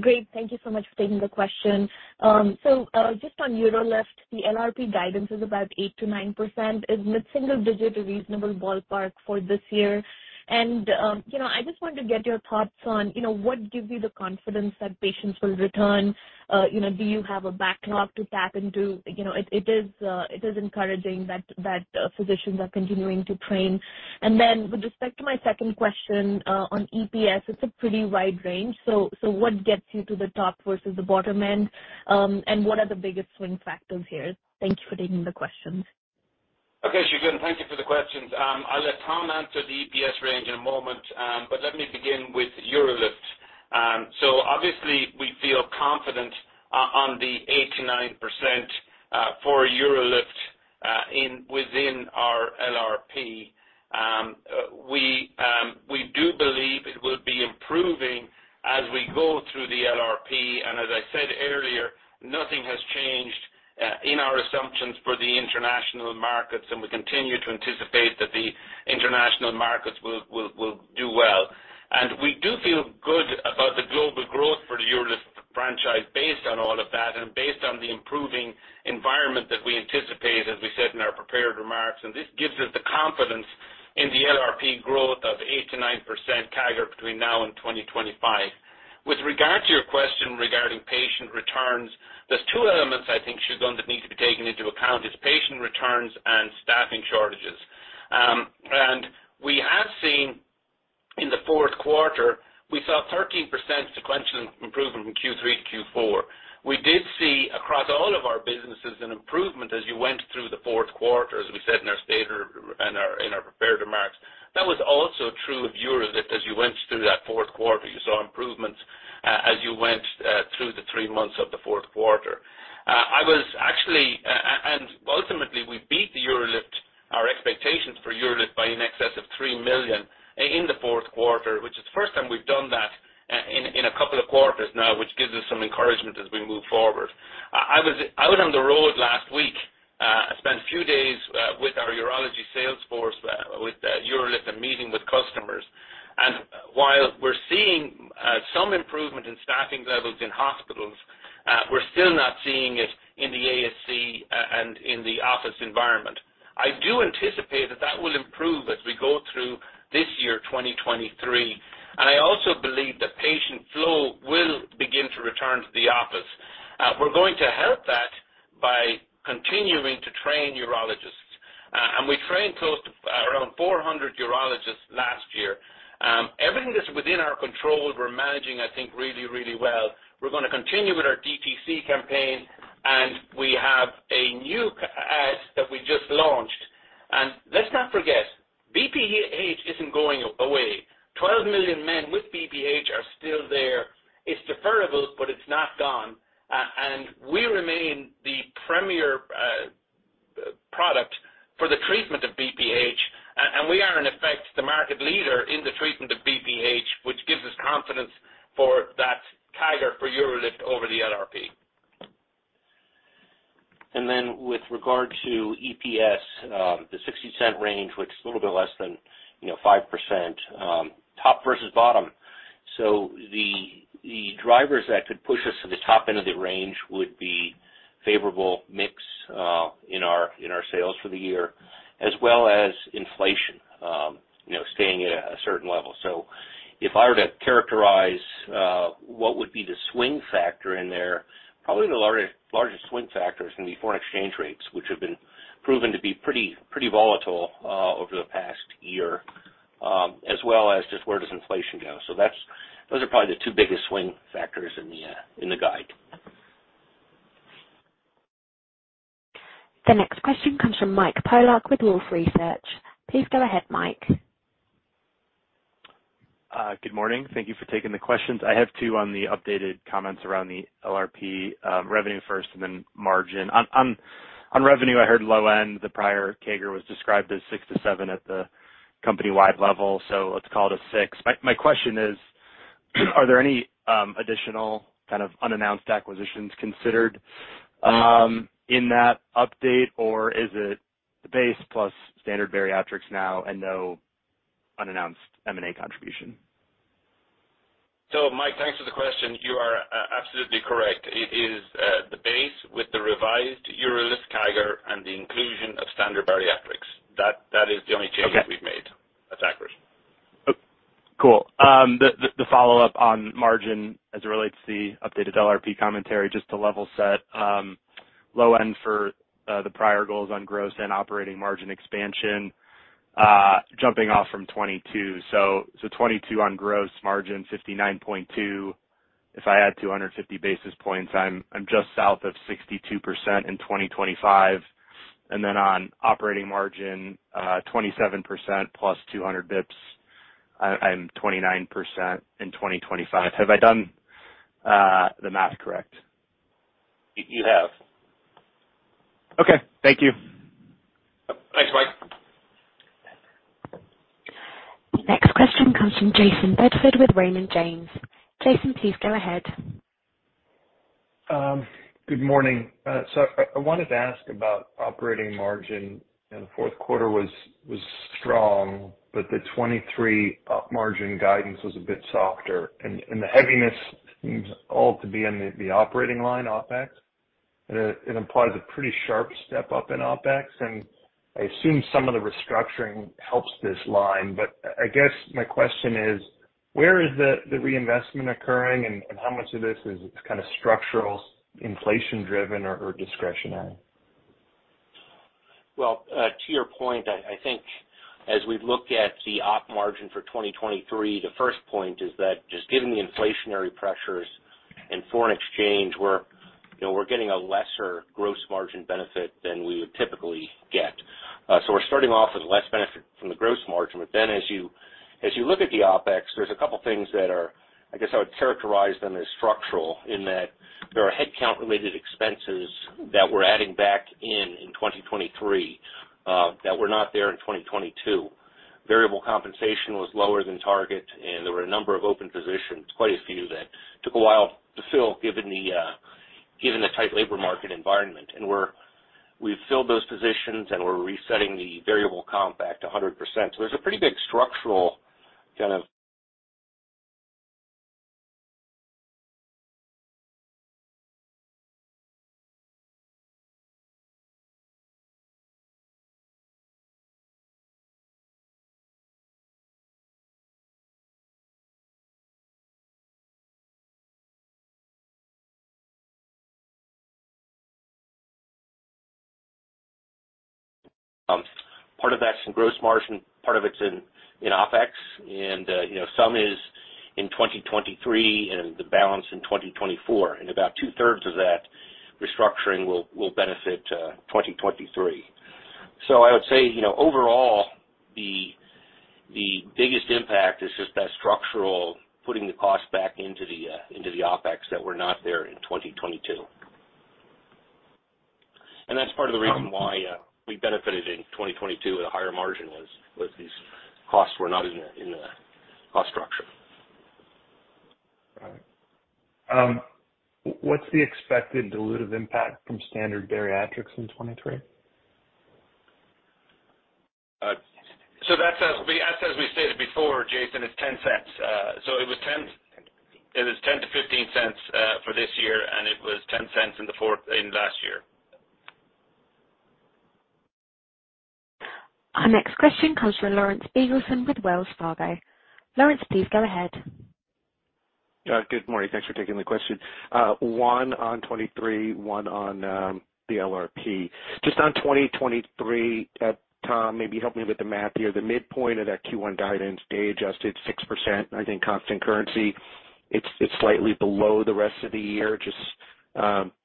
Great. Thank you so much for taking the question. Just on UroLift, the LRP guidance is about 8%-9%. Isn't single digit a reasonable ballpark for this year? You know, I just wanted to get your thoughts on, you know, what gives you the confidence that patients will return? You know, do you have a backlog to tap into? You know, it is encouraging that physicians are continuing to train. Then with respect to my second question, on EPS, it's a pretty wide range. What gets you to the top versus the bottom end? And what are the biggest swing factors here? Thank you for taking the questions. Okay, Shagun, thank you for the questions. I'll let Tom answer the EPS range in a moment. Let me begin with UroLift. Obviously we feel confident on the 8%-9%, for UroLift, in, within our LRP. We do believe it will be improving as we go through the LRP. As I said earlier, nothing has changed in our assumptions for the international markets. We continue to anticipate that the international markets will do well. We do feel good about the global growth for the UroLift franchise based on all of that and based on the improving environment that we anticipate, as we said in our prepared remarks. This gives us the confidence in the LRP growth of 8%-9% CAGR between now and 2025. With regard to your question regarding patient returns, there's two elements I think, Shagun, that need to be taken into account, is patient returns and staffing shortages. We have seen in the fourth quarter, we saw 13% sequential improvement from Q3-Q4. We did see across all of our businesses an improvement as you went through the fourth quarter, as we said in our prepared remarks. That was also true of UroLift. As you went through that fourth quarter, you saw improvements as you went through the three months of the fourth quarter. Ultimately, we beat the UroLift, our expectations for UroLift by in excess of $3 million in the fourth quarter, which is the first time we've done that in a couple of quarters now, which gives us some encouragement as we move forward. I was out on the road last week. I spent a few days with our urology sales force, with UroLift and meeting with customers. While we're seeing some improvement in staffing levels in hospitals, we're still not seeing it in the ASC and in the office environment. I do anticipate that that will improve as we go through this year, 2023. I also believe that patient flow will begin to return to the office. We're going to help that by continuing to train urologists. We trained close to around 400 urologists last year. Everything that's within our control, we're managing, I think, really, really well. We're gonna continue with our DTC campaign, and we have a new ad that we just launched. Let's not forget, BPH isn't going away. 12 million men with BPH are still there. It's deferrable, but it's not gone. We remain the premier product for the treatment of BPH. We are in effect, the market leader in the treatment of BPH, which gives us confidence for that CAGR for UroLift over the LRP. With regard to EPS, the $0.60 range, which is a little bit less than, you know, 5%, top versus bottom. The drivers that could push us to the top end of the range would be favorable mix in our sales for the year, as well as inflation, you know, staying at a certain level. If I were to characterize what would be the swing factor in there, probably the largest swing factor is gonna be foreign exchange rates, which have been proven to be pretty volatile over the past year, as well as just where does inflation go. Those are probably the two biggest swing factors in the guide. The next question comes from Mike Polark with Wolfe Research. Please go ahead, Mike. Good morning. Thank you for taking the questions. I have two on the updated comments around the LRP, revenue first and then margin. On revenue, I heard low end. The prior CAGR was described as 6%-7% at the company-wide level, so let's call it a 6%. My question is, are there any additional kind of unannounced acquisitions considered in that update? Or is it the base plus Standard Bariatrics now and no unannounced M&A contribution? Mike, thanks for the question. You are absolutely correct. It is the base with the revised UroLift CAGR and the inclusion of Standard Bariatrics. That is the only change that we've made. Okay. That's accurate. Cool. The follow-up on margin as it relates to the updated LRP commentary, just to level set, low end for the prior goals on gross and operating margin expansion, jumping off from 2022. 2022 on gross margin, 59.2. If I add 250 basis points, I'm just south of 62% in 2025. On operating margin, 27% plus 200 basis points, I'm 29% in 2025. Have I done the math correct? You have. Okay, thank you. Thanks, Mike. Next question comes from Jayson Bedford with Raymond James. Jason, please go ahead. Good morning. I wanted to ask about operating margin in the fourth quarter was strong, but the 23 op margin guidance was a bit softer. The heaviness seems all to be in the operating line, OpEx. It implies a pretty sharp step-up in OpEx, and I assume some of the restructuring helps this line. I guess my question is, where is the reinvestment occurring and how much of this is kinda structural inflation driven or discretionary? Well, to your point, I think as we look at the op margin for 2023, the first point is that just given the inflationary pressures in foreign exchange, we're getting a lesser gross margin benefit than we would typically get. We're starting off with less benefit from the gross margin. As you look at the OpEx, there's a couple things that are, I guess I would characterize them as structural in that there are headcount-related expenses that we're adding back in in 2023, that were not there in 2022. Variable compensation was lower than target, and there were a number of open positions, quite a few that took a while to fill given the tight labor market environment. We've filled those positions and we're resetting the variable comp back to 100%. There's a pretty big structural kind of. Part of that's in gross margin, part of it's in OpEx and, you know, some is in 2023 and the balance in 2024. About two-thirds of that restructuring will benefit 2023. I would say, you know, overall the biggest impact is just that structural, putting the cost back into the OpEx that were not there in 2022. That's part of the reason why we benefited in 2022 with a higher margin was these costs were not in the cost structure. Right. What's the expected dilutive impact from Standard Bariatrics in 23? That's as we stated before, Jayson, it's $0.10. It was $0.10-$0.15 for this year, and it was $0.10 in last year. Our next question comes from Lawrence Biegelsen with Wells Fargo. Lawrence, please go ahead. Good morning. Thanks for taking the question. One on 23, one on the LRP. Just on 2023, Tom, maybe help me with the math here. The midpoint of that Q1 guidance, day adjusted 6%, I think constant currency. It's slightly below the rest of the year. Just,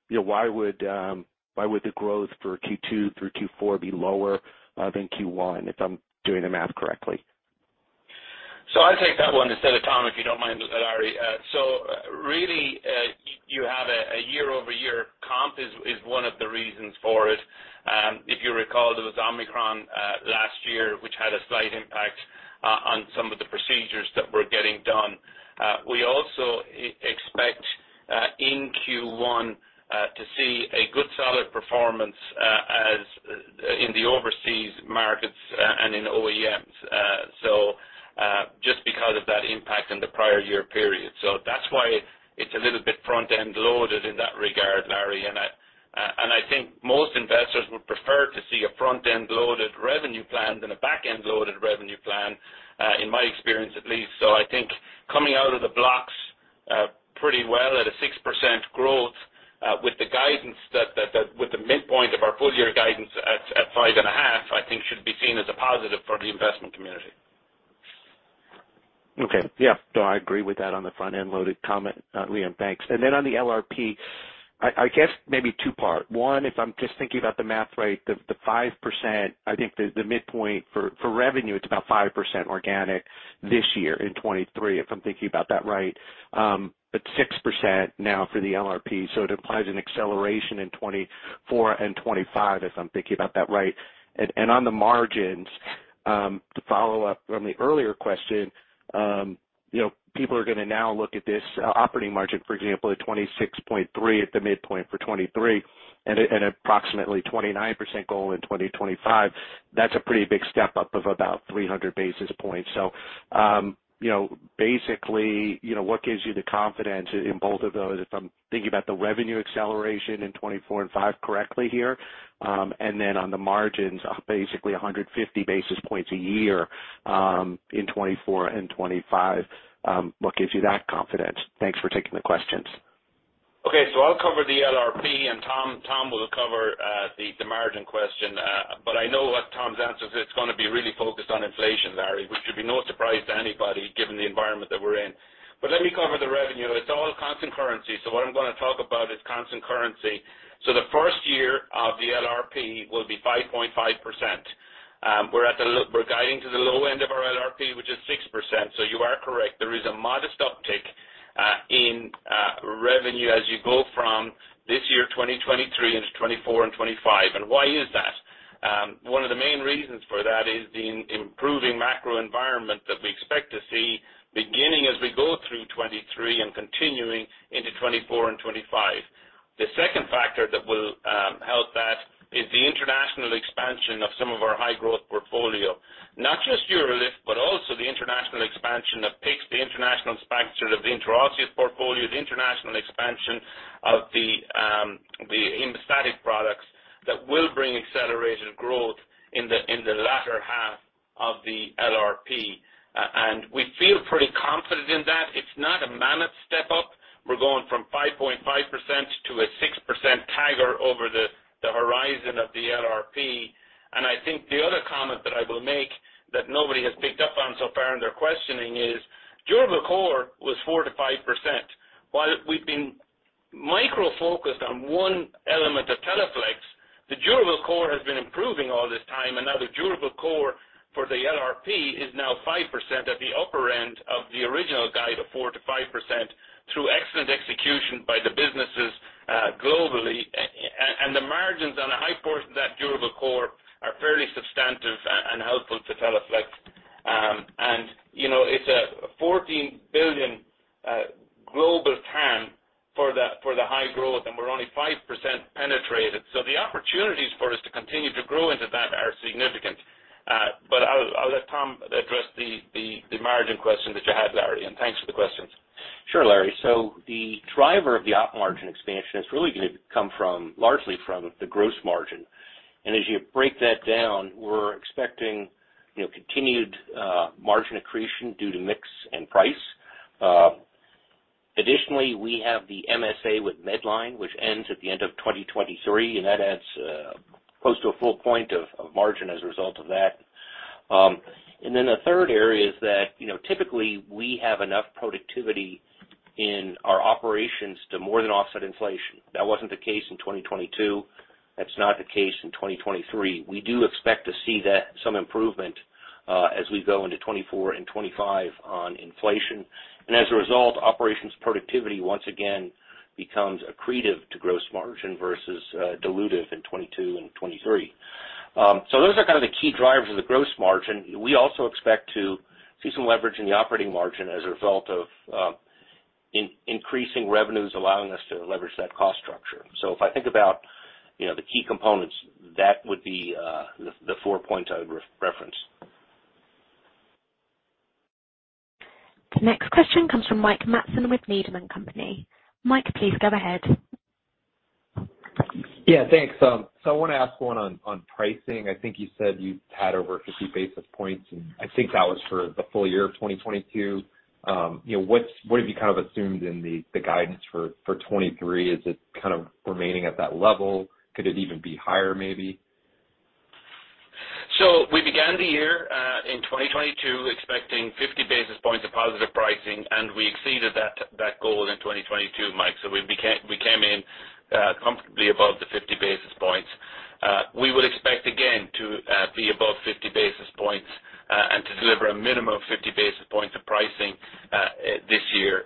you know, why would the growth for Q2 through Q4 be lower than Q1, if I'm doing the math correctly? I'll take that one instead of Tom, if you don't mind, Larry. Really, you have a year-over-year comp is one of the reasons for it. If you recall, there was Omicron last year, which had a slight impact on some of the procedures that were getting done. We also expect in Q1 to see a good, solid performance as in the overseas markets and in OEMs. Just because of that impact in the prior year period. That's why it's a little bit front-end loaded in that regard, Larry. I, and I think most investors would prefer to see a front-end loaded revenue plan than a back-end loaded revenue plan, in my experience at least. I think coming out of the blocks, pretty well at a 6% growth, with the guidance that, with the midpoint of our full year guidance at 5.5%, I think should be seen as a positive for the investment community. Okay. Yeah. No, I agree with that on the front-end loaded comment, Liam, thanks. On the LRP, I guess maybe two-part. One, if I'm just thinking about the math right, the 5%, I think the midpoint for revenue, it's about 5% organic this year in 2023, if I'm thinking about that right. 6% now for the LRP, so it implies an acceleration in 2024 and 2025, if I'm thinking about that right. On the margins, to follow up on the earlier question, you know, people are gonna now look at this operating margin, for example, at 26.3 at the midpoint for 2023, and approximately 29% goal in 2025. That's a pretty big step up of about 300 basis points. You know, basically, you know, what gives you the confidence in both of those, if I'm thinking about the revenue acceleration in 2024 and 2025 correctly here. On the margins, basically 150 basis points a year, in 2024 and 2025, what gives you that confidence? Thanks for taking the questions. Okay. I'll cover the LRP, and Thomas Powell will cover the margin question. I know what Thomas Powell's answer is. It's going to be really focused on inflation, Lawrence Biegelsen, which should be no surprise to anybody given the environment that we're in. Let me cover the revenue. It's all constant currency. What I'm going to talk about is constant currency. The first year of the LRP will be 5.5%. We're guiding to the low end of our LRP, which is 6%. You are correct. There is a modest uptick in revenue as you go from this year, 2023, into 2024 and 2025. Why is that? One of the main reasons for that is the improving macro environment that we expect to see beginning as we go through 2023 and continuing into 2024 and 2025. The second factor that will help that is the international expansion of some of our high-growth portfolio. Not just UroLift, but also the international expansion of PICCs, the international expansion of the Intraosseous portfolio, the international expansion of the hemostatic products that will bring accelerated growth in the, in the latter half of the LRP. We feel pretty confident in that. It's not a mammoth step up. We're going from 5.5%-6% CAGR over the horizon of the LRP. I think the other comment that I will make that nobody has picked up on so far in their questioning is Durable Core was 4%-5%. While we've been micro-focused on one element of Teleflex, the Durable Core has been improving all this time. Now the Durable Core for the LRP is now 5% at the upper end of the original guide of 4%-5% through excellent execution by the businesses globally. The margins on a high portion of that Durable Core are fairly substantive and helpful to Teleflex. You know, it's a $14 billion global TAM for the high growth, and we're only 5% penetrated. The opportunities for us to continue to grow into that are significant. I'll let Tom address the margin question that you had, Larry, thanks for the questions. Sure, Larry. The driver of the op margin expansion is really gonna come from, largely from the gross margin. As you break that down, we're expecting, you know, continued margin accretion due to mix and price. Additionally, we have the MSA with Medline, which ends at the end of 2023, and that adds close to a full point of margin as a result of that. Then the third area is that, you know, typically we have enough productivity in our operations to more than offset inflation. That wasn't the case in 2022. That's not the case in 2023. We do expect to see that, some improvement as we go into 2024 and 2025 on inflation. As a result, operations productivity once again becomes accretive to gross margin versus dilutive in 2022 and 2023. Those are kind of the key drivers of the gross margin. We also expect to see some leverage in the operating margin as a result of increasing revenues allowing us to leverage that cost structure. If I think about, you know, the key components, that would be the four points I would reference. The next question comes from Mike Matson with Needham & Company. Mike, please go ahead. Yeah, thanks. I wanna ask one on pricing. I think you said you've had over 50 basis points. I think that was for the full year of 2022. You know, what have you kind of assumed in the guidance for 2023? Is it kind of remaining at that level? Could it even be higher maybe? We began the year in 2022 expecting 50 basis points of positive pricing, and we exceeded that goal in 2022, Mike. We came in comfortably above the 50 basis points. We will expect again to be above 50 basis points and to deliver a minimum of 50 basis points of pricing this year.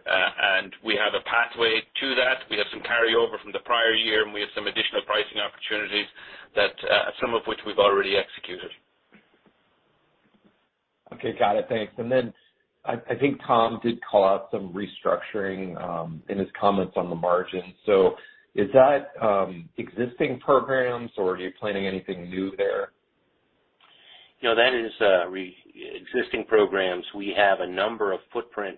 We have a pathway to that. We have some carryover from the prior year, and we have some additional pricing opportunities that some of which we've already executed. Okay. Got it. Thanks. I think Tom did call out some restructuring, in his comments on the margin. Is that existing programs or are you planning anything new there? You know, that is existing programs. We have a number of footprint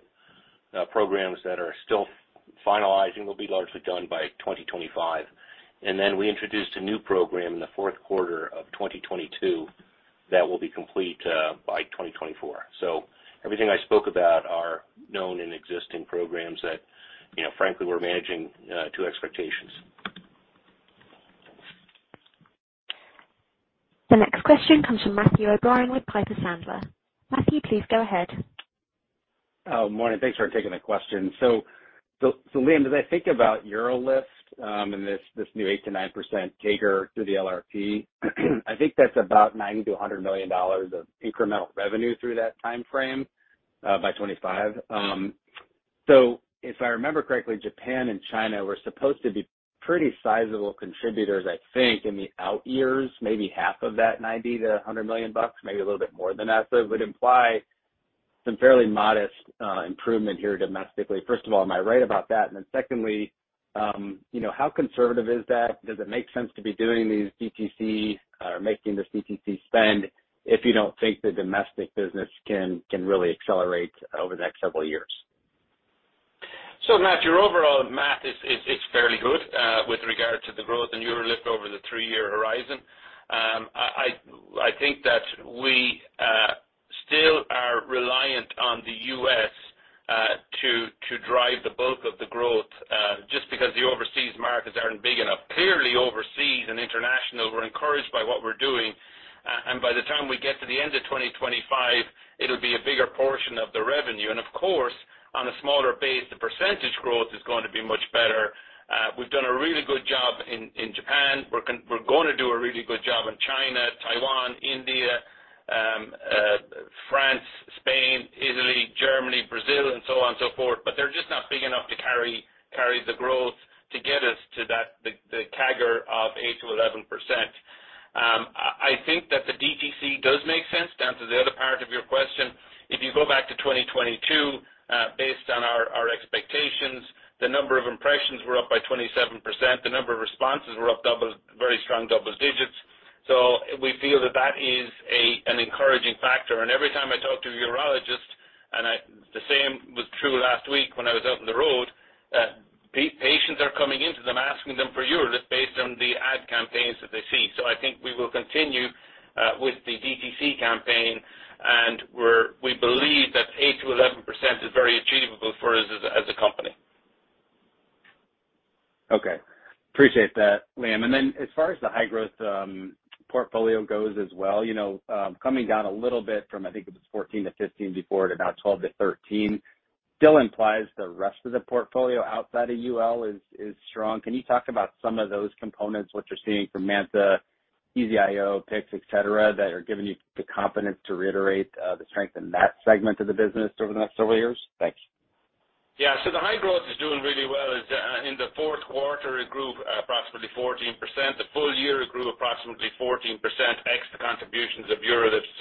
programs that are still finalizing, will be largely done by 2025. We introduced a new program in the fourth quarter of 2022 that will be complete by 2024. Everything I spoke about are known and existing programs that, you know, frankly, we're managing to expectations. The next question comes from Matthew O'Brien with Piper Sandler. Matthew, please go ahead. Morning. Thanks for taking the question. Liam, as I think about UroLift, and this new 8%-9% CAGR through the LRP, I think that's about $9 million-$100 million of incremental revenue through that timeframe, by 2025. If I remember correctly, Japan and China were supposed to be pretty sizable contributors, I think, in the out years, maybe half of that $90 million-$100 million bucks, maybe a little bit more than that. It would imply some fairly modest improvement here domestically. First of all, am I right about that? Secondly, you know, how conservative is that? Does it make sense to be doing these DTC or making the DTC spend if you don't think the domestic business can really accelerate over the next several years? Matt, your overall math is, it's fairly good, with regard to the growth in UroLift over the 3-year horizon. I think that we still are reliant on the U.S. to drive the bulk of the growth just because the overseas markets aren't big enough. Clearly overseas and international, we're encouraged by what we're doing. By the time we get to the end of 2025, it'll be a bigger portion of the revenue. Of course, on a smaller base, the percentage growth is going to be much better. We've done a really good job in Japan. We're gonna do a really good job in China, Taiwan, India, France, Spain, Italy, Germany, Brazil, and so on and so forth. They're just not big enough to carry the growth to get us to that, the CAGR of 8%-11%. I think that the DTC does make sense, down to the other part of your question. If you go back to 2022, based on our expectations, the number of impressions were up by 27%. The number of responses were up double, very strong double digits. We feel that that is an encouraging factor. Every time I talk to a urologist, the same was true last week when I was out on the road, patients are coming into them, asking them for UroLift based on the ad campaigns that they see. I think we will continue with the DTC campaign, and we believe that 8%-11% is very achievable for us as a company. Okay. Appreciate that, Liam. As far as the high-growth portfolio goes as well, you know, coming down a little bit from, I think it was 14-15 before to about 12-13, still implies the rest of the portfolio outside of UroLift is strong. Can you talk about some of those components, what you're seeing from MANTA, EZ-IO, PICCs, et cetera, that are giving you the confidence to reiterate the strength in that segment of the business over the next several years? Thanks. The high growth is doing really well. In the fourth quarter, it grew approximately 14%. The full year, it grew approximately 14%, ex the contributions of UroLift.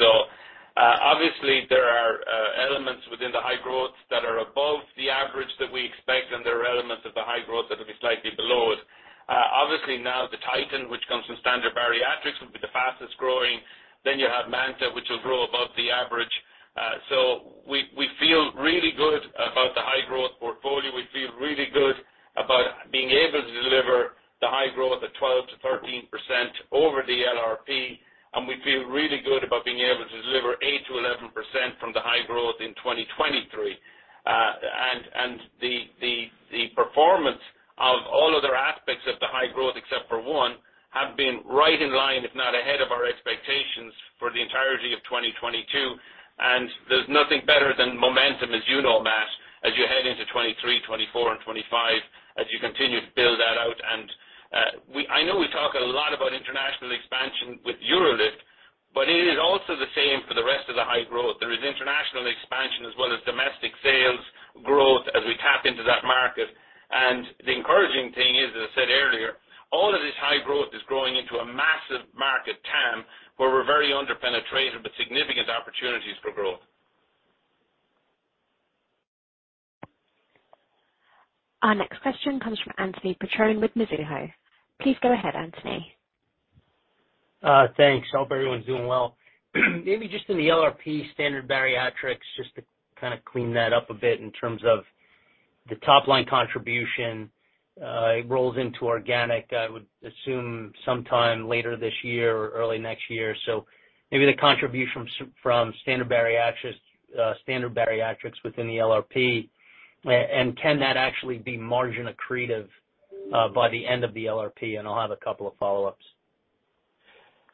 Obviously there are elements within the high growth that are above the average that we expect, and there are elements of the high growth that'll be slightly below it. Obviously now the Titan, which comes from Standard Bariatrics, will be the fastest growing. You have MANTA, which will grow above the average. We feel really good about the high-growth portfolio. We feel really good about being able to deliver the high growth at 12%-13% over the LRP, and we feel really good about being able to deliver 8%-11% from the high growth in 2023. The performance of all other aspects of the high growth, except for one, have been right in line, if not ahead of our expectations for the entirety of 2022. There's nothing better than momentum, as you know, Matt, as you head into 2023, 2024, and 2025, as you continue to build that out. I know we talk a lot about international expansion with UroLift, but it is also the same for the rest of the high growth. There is international expansion as well as domestic sales growth as we tap into that market. The encouraging thing is, as I said earlier, all of this high growth is growing into a massive market TAM, where we're very under-penetrated, but significant opportunities for growth. Our next question comes from Anthony Petrone with Mizuho. Please go ahead, Anthony. Thanks. Hope everyone's doing well. Maybe just in the LRP Standard Bariatrics, just to kind of clean that up a bit in terms of the top-line contribution, it rolls into organic, I would assume, sometime later this year or early next year. Maybe the contribution from Standard Bariatrics within the LRP. Can that actually be margin accretive by the end of the LRP? I'll have a couple of follow-ups.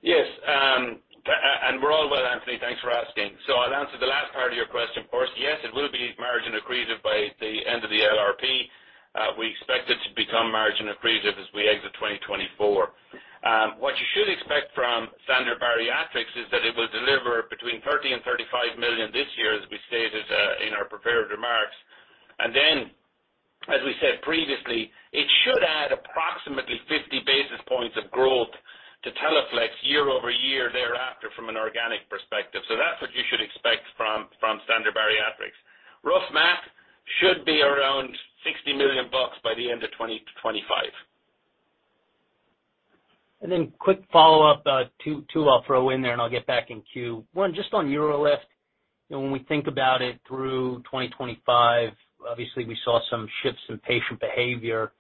Yes, and we're all well, Anthony. Thanks for asking. I'll answer the last part of your question first. Yes, it will be margin accretive by the end of the LRP. We expect it to become margin accretive as we exit 2024. What you should expect from Standard Bariatrics is that it will deliver between $30 million and $35 million this year, as we stated in our prepared remarks. As we said previously, it should add approximately 50 basis points of growth to Teleflex year-over-year thereafter from an organic perspective. That's what you should expect from Standard Bariatrics. Rough math should be around $60 million by the end of 2025. Quick follow-up, two I'll throw in there, and I'll get back in queue. One, just on UroLift. You know, when we think about it through 2025, obviously we saw some shifts in patient behavior.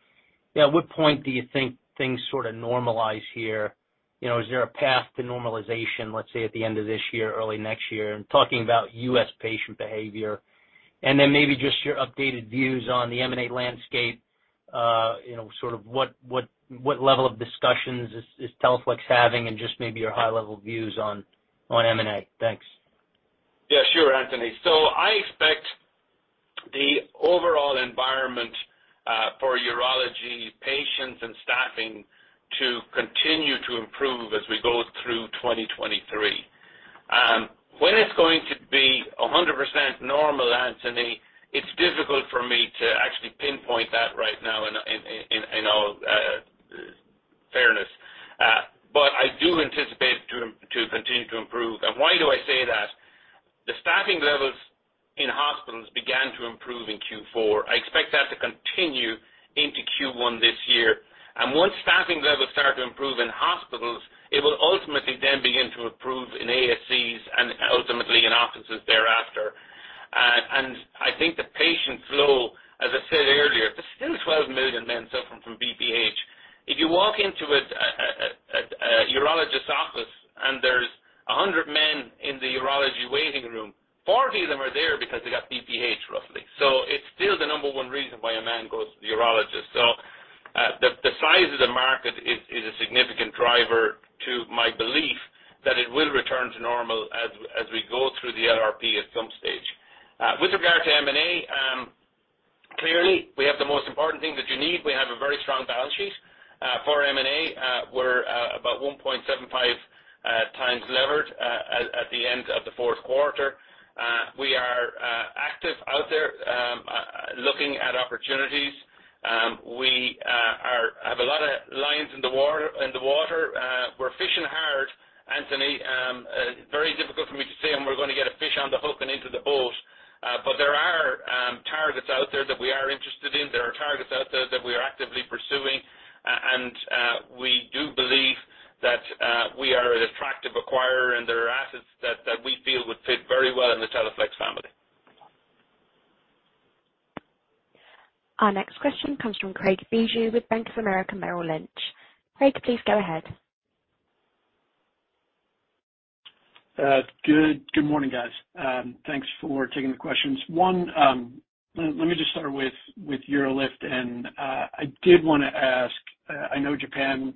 You know, at what point do you think things sort of normalize here? You know, is there a path to normalization, let's say, at the end of this year, early next year? I'm talking about U.S. patient behavior. Maybe just your updated views on the M&A landscape. You know, sort of what level of discussions is Teleflex having and just maybe your high-level views on M&A. Thanks. Yeah, sure, Anthony. I expect the overall environment for urology patients and staffing to continue to improve as we go through 2023. When it's going to be 100% normal, Anthony, it's difficult for me to actually pinpoint that right now in all fairness. I do anticipate it to continue to improve. Why do I say that? The staffing levels in hospitals began to improve in Q4. I expect that to continue into Q1 this year. Once staffing levels start to improve in hospitals, it will ultimately then begin to improve in ASCs and ultimately in offices thereafter. I think the patient flow, as I said earlier, there's still 12 million men suffering from BPH. If you walk into a urologist office and there's 100 men in the urology waiting room, 40 of them are there because they got BPH, roughly. It's still the number one reason why a man goes to the urologist. The size of the market is a significant driver to my belief that it will return to normal as we go through the LRP at some stage. With regard to M&A, clearly we have the most important thing that you need. We have a very strong balance sheet for M&A. We're about 1.75 times levered at the end of the fourth quarter. We are active out there looking at opportunities. We have a lot of lines in the water. We're fishing hard, Anthony. Very difficult for me to say when we're gonna get a fish on the hook and into the boat. There are targets out there that we are interested in. There are targets out there that we are actively pursuing. We do believe that we are an attractive acquirer, and there are assets that we feel would fit very well in the Teleflex family. Our next question comes from Craig Bijou with Bank of America Securities. Craig, please go ahead. Good, good morning, guys. Thanks for taking the questions. One, let me just start with UroLift. I did wanna ask, I know Japan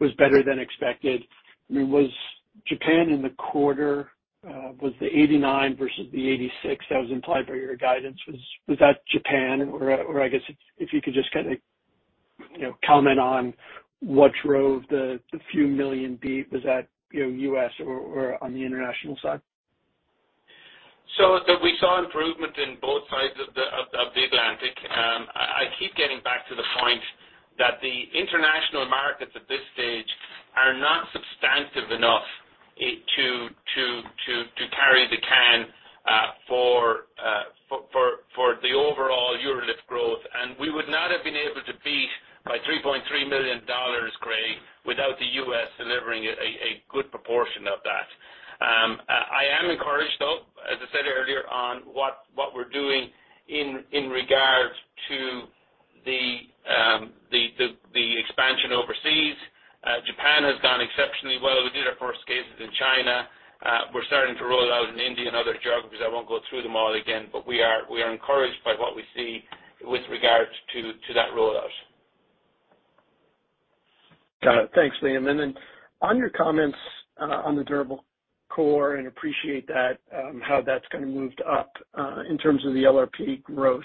was better than expected. I mean, was Japan in the quarter, was the 89 versus the 86 that was implied by your guidance, was that Japan? I guess if you could just kinda, you know, comment on what drove the $ few million beat, was that, you know, U.S. or on the international side? We saw improvement in both sides of the Atlantic. I keep getting back to the point that the international markets at this stage are not substantive enough to carry the can for the overall UroLift growth. We would not have been able to beat by $3.3 million, Craig, without the U.S. delivering a good proportion of that. I am encouraged, though, as I said earlier, on what we're doing in regards to the expansion overseas. Japan has gone exceptionally well. We did our first cases in China. We're starting to roll out in India and other geographies. I won't go through them all again, but we are encouraged by what we see with regards to that rollout. Got it. Thanks, Liam. On your comments on the durable core, and appreciate that, how that's kind of moved up in terms of the LRP growth.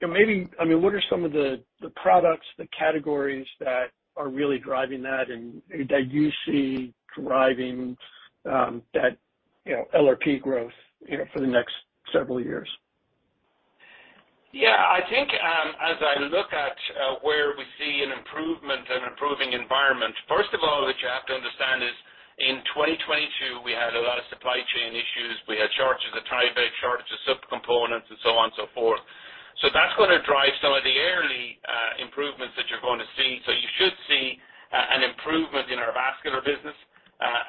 You know, maybe, I mean, what are some of the products, the categories that are really driving that and that you see driving that, you know, LRP growth, you know, for the next several years? Yeah. I think, as I look at, where we see an improvement and improving environment, first of all, what you have to understand is. In 2022, we had a lot of supply chain issues. We had shortages at Teleflex, shortages of subcomponents and so on and so forth. That's gonna drive some of the early, improvements that you're gonna see. You should see, an improvement in our vascular business,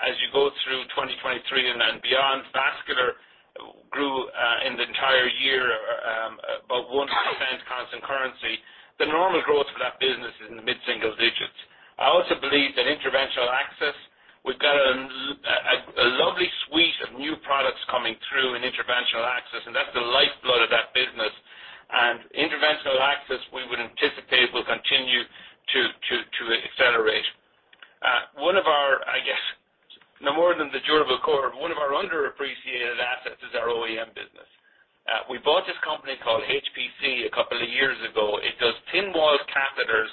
as you go through 2023 and then beyond. Vascular grew, in the entire year, about 1% constant currency. The normal growth for that business is in the mid-single digits. I also believe that interventional access, we've got a lovely suite of new products coming through in interventional access, and that's the lifeblood of that business. Interventional access, we would anticipate, will continue to accelerate. One of our, I guess, no more than the durable core, one of our underappreciated assets is our OEM business. We bought this company called HPC a couple of years ago. It does thin walled catheters.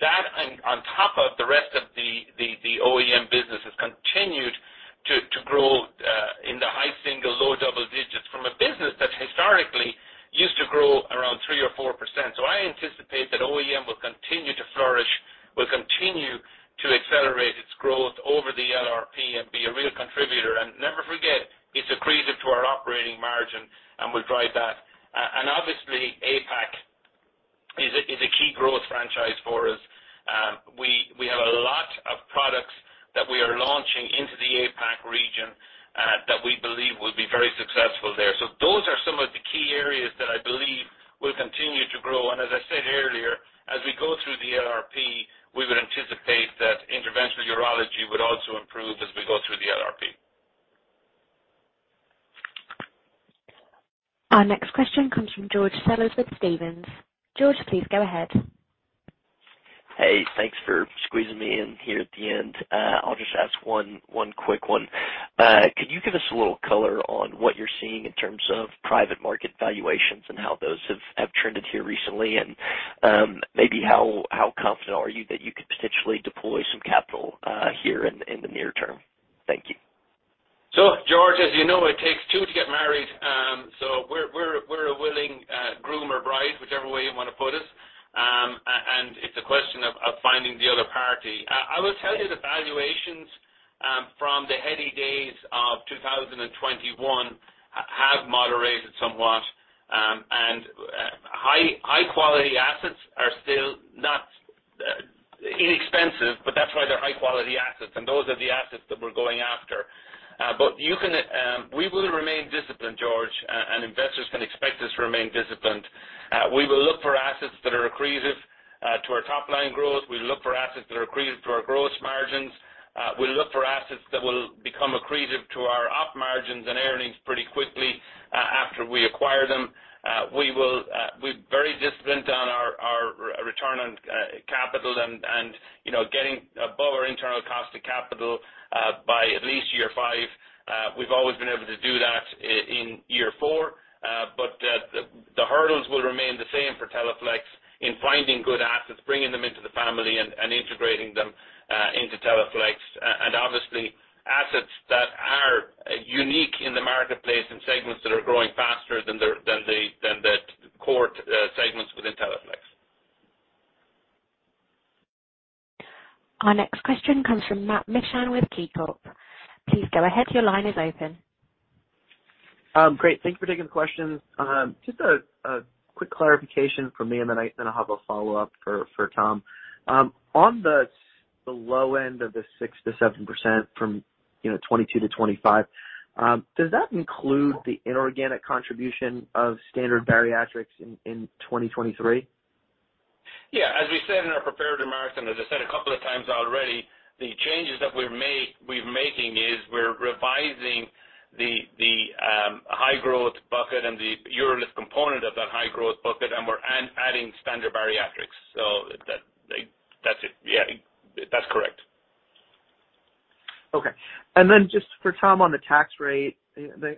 That and on top of the rest of the OEM business has continued to grow in the high single, low double digits from a business that historically used to grow around 3% or 4%. I anticipate that OEM will continue to flourish, will continue to accelerate its growth over the LRP and be a real contributor. Never forget, it's accretive to our operating margin and will drive that. Obviously, APAC is a key growth franchise for us. We have a lot of products that we are launching into the APAC region, that we believe will be very successful there. Those are some of the key areas that I believe will continue to grow. As I said earlier, as we go through the LRP, we would anticipate that interventional urology would also improve as we go through the LRP. Our next question comes from George Sellers with Stephens. George, please go ahead. Hey, thanks for squeezing me in here at the end. I'll just ask one quick one. Could you give us a little color on what you're seeing in terms of private market valuations and how those have trended here recently? Maybe how confident are you that you could potentially deploy some capital here in the near term? Thank you. George, as you know, it takes two to get married. We're a willing groom or bride, whichever way you wanna put it. It's a question of finding the other party. I will tell you the valuations from the heady days of 2021 have moderated somewhat, and high quality assets are still not inexpensive, but that's why they're high quality assets, and those are the assets that we're going after. You can... We will remain disciplined, George, and investors can expect us to remain disciplined. We will look for assets that are accretive to our top line growth. We look for assets that are accretive to our growth margins. We look for assets that will become accretive to our op margins and earnings pretty quickly after we acquire them. We will, we're very disciplined on our return on capital and, you know, getting above our internal cost of capital by at least year 5. We've always been able to do that in year 4, but the hurdles will remain the same for Teleflex in finding good assets, bringing them into the family and integrating them into Teleflex. Obviously, assets that are unique in the marketplace and segments that are growing faster than their core segments within Teleflex. Our next question comes from Matt Mishan with KeyBanc. Please go ahead. Your line is open. Great. Thank you for taking the questions. Just a quick clarification from me, and then I have a follow-up for Tom. On the low end of the 6%-7% from 2022-2025, does that include the inorganic contribution of Standard Bariatrics in 2023? As we said in our prepared remarks and as I said a couple of times already, the changes that we're making is we're revising the high growth bucket and the urologist component of that high growth bucket, and we're adding Standard Bariatrics. That, like, that's it. That's correct. Okay. Then just for Tom on the tax rate, the,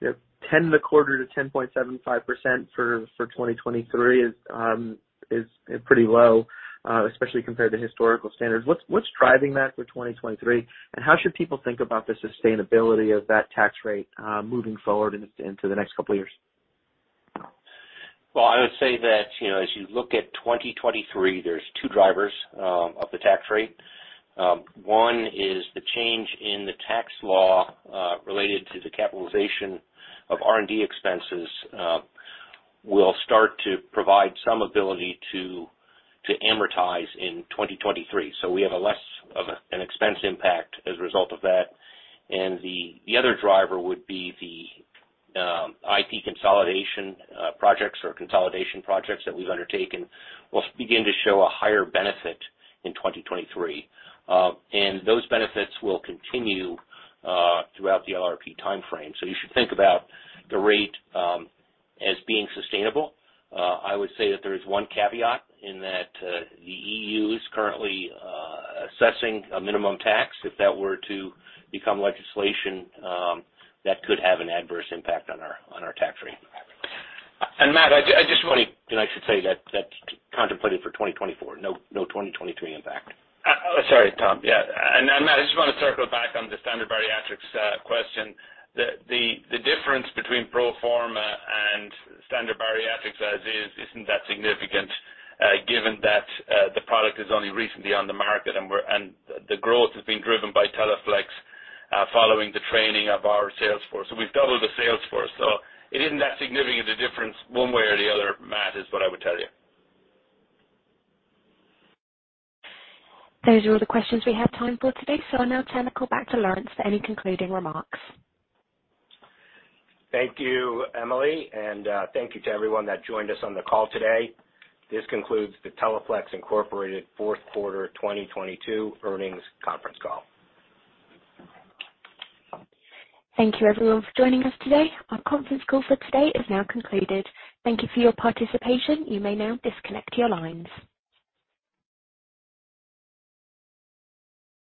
you know, 10 and a quarter to 10.75% for 2023 is pretty low, especially compared to historical standards. What's driving that for 2023? How should people think about the sustainability of that tax rate, moving forward into the next couple of years? Well, I would say that, you know, as you look at 2023, there's 2 drivers of the tax rate. 1 is the change in the tax law related to the capitalization of R&D expenses will start to provide some ability to amortize in 2023. We have a less of an expense impact as a result of that. The other driver would be the IT consolidation projects or consolidation projects that we've undertaken will begin to show a higher benefit in 2023. Those benefits will continue throughout the LRP timeframe. You should think about the rate as being sustainable. I would say that there is 1 caveat in that the EU is currently assessing a minimum tax. If that were to become legislation, that could have an adverse impact on our, on our tax rate. Matt, I just. I should say that's contemplated for 2024. No 2023 impact. Sorry, Tom. Yeah. Matt, I just wanna circle back on the Standard Bariatrics question. The difference between proforma and Standard Bariatrics as is isn't that significant, given that the product is only recently on the market, and the growth has been driven by Teleflex following the training of our sales force. We've doubled the sales force. It isn't that significant a difference one way or the other, Matt, is what I would tell you. Those are all the questions we have time for today. I'll now turn the call back to Lawrence for any concluding remarks. Thank you, Emily, and thank you to everyone that joined us on the call today. This concludes the Teleflex Incorporated fourth quarter 2022 earnings conference call. Thank you everyone for joining us today. Our conference call for today is now concluded. Thank you for your participation. You may now disconnect your lines.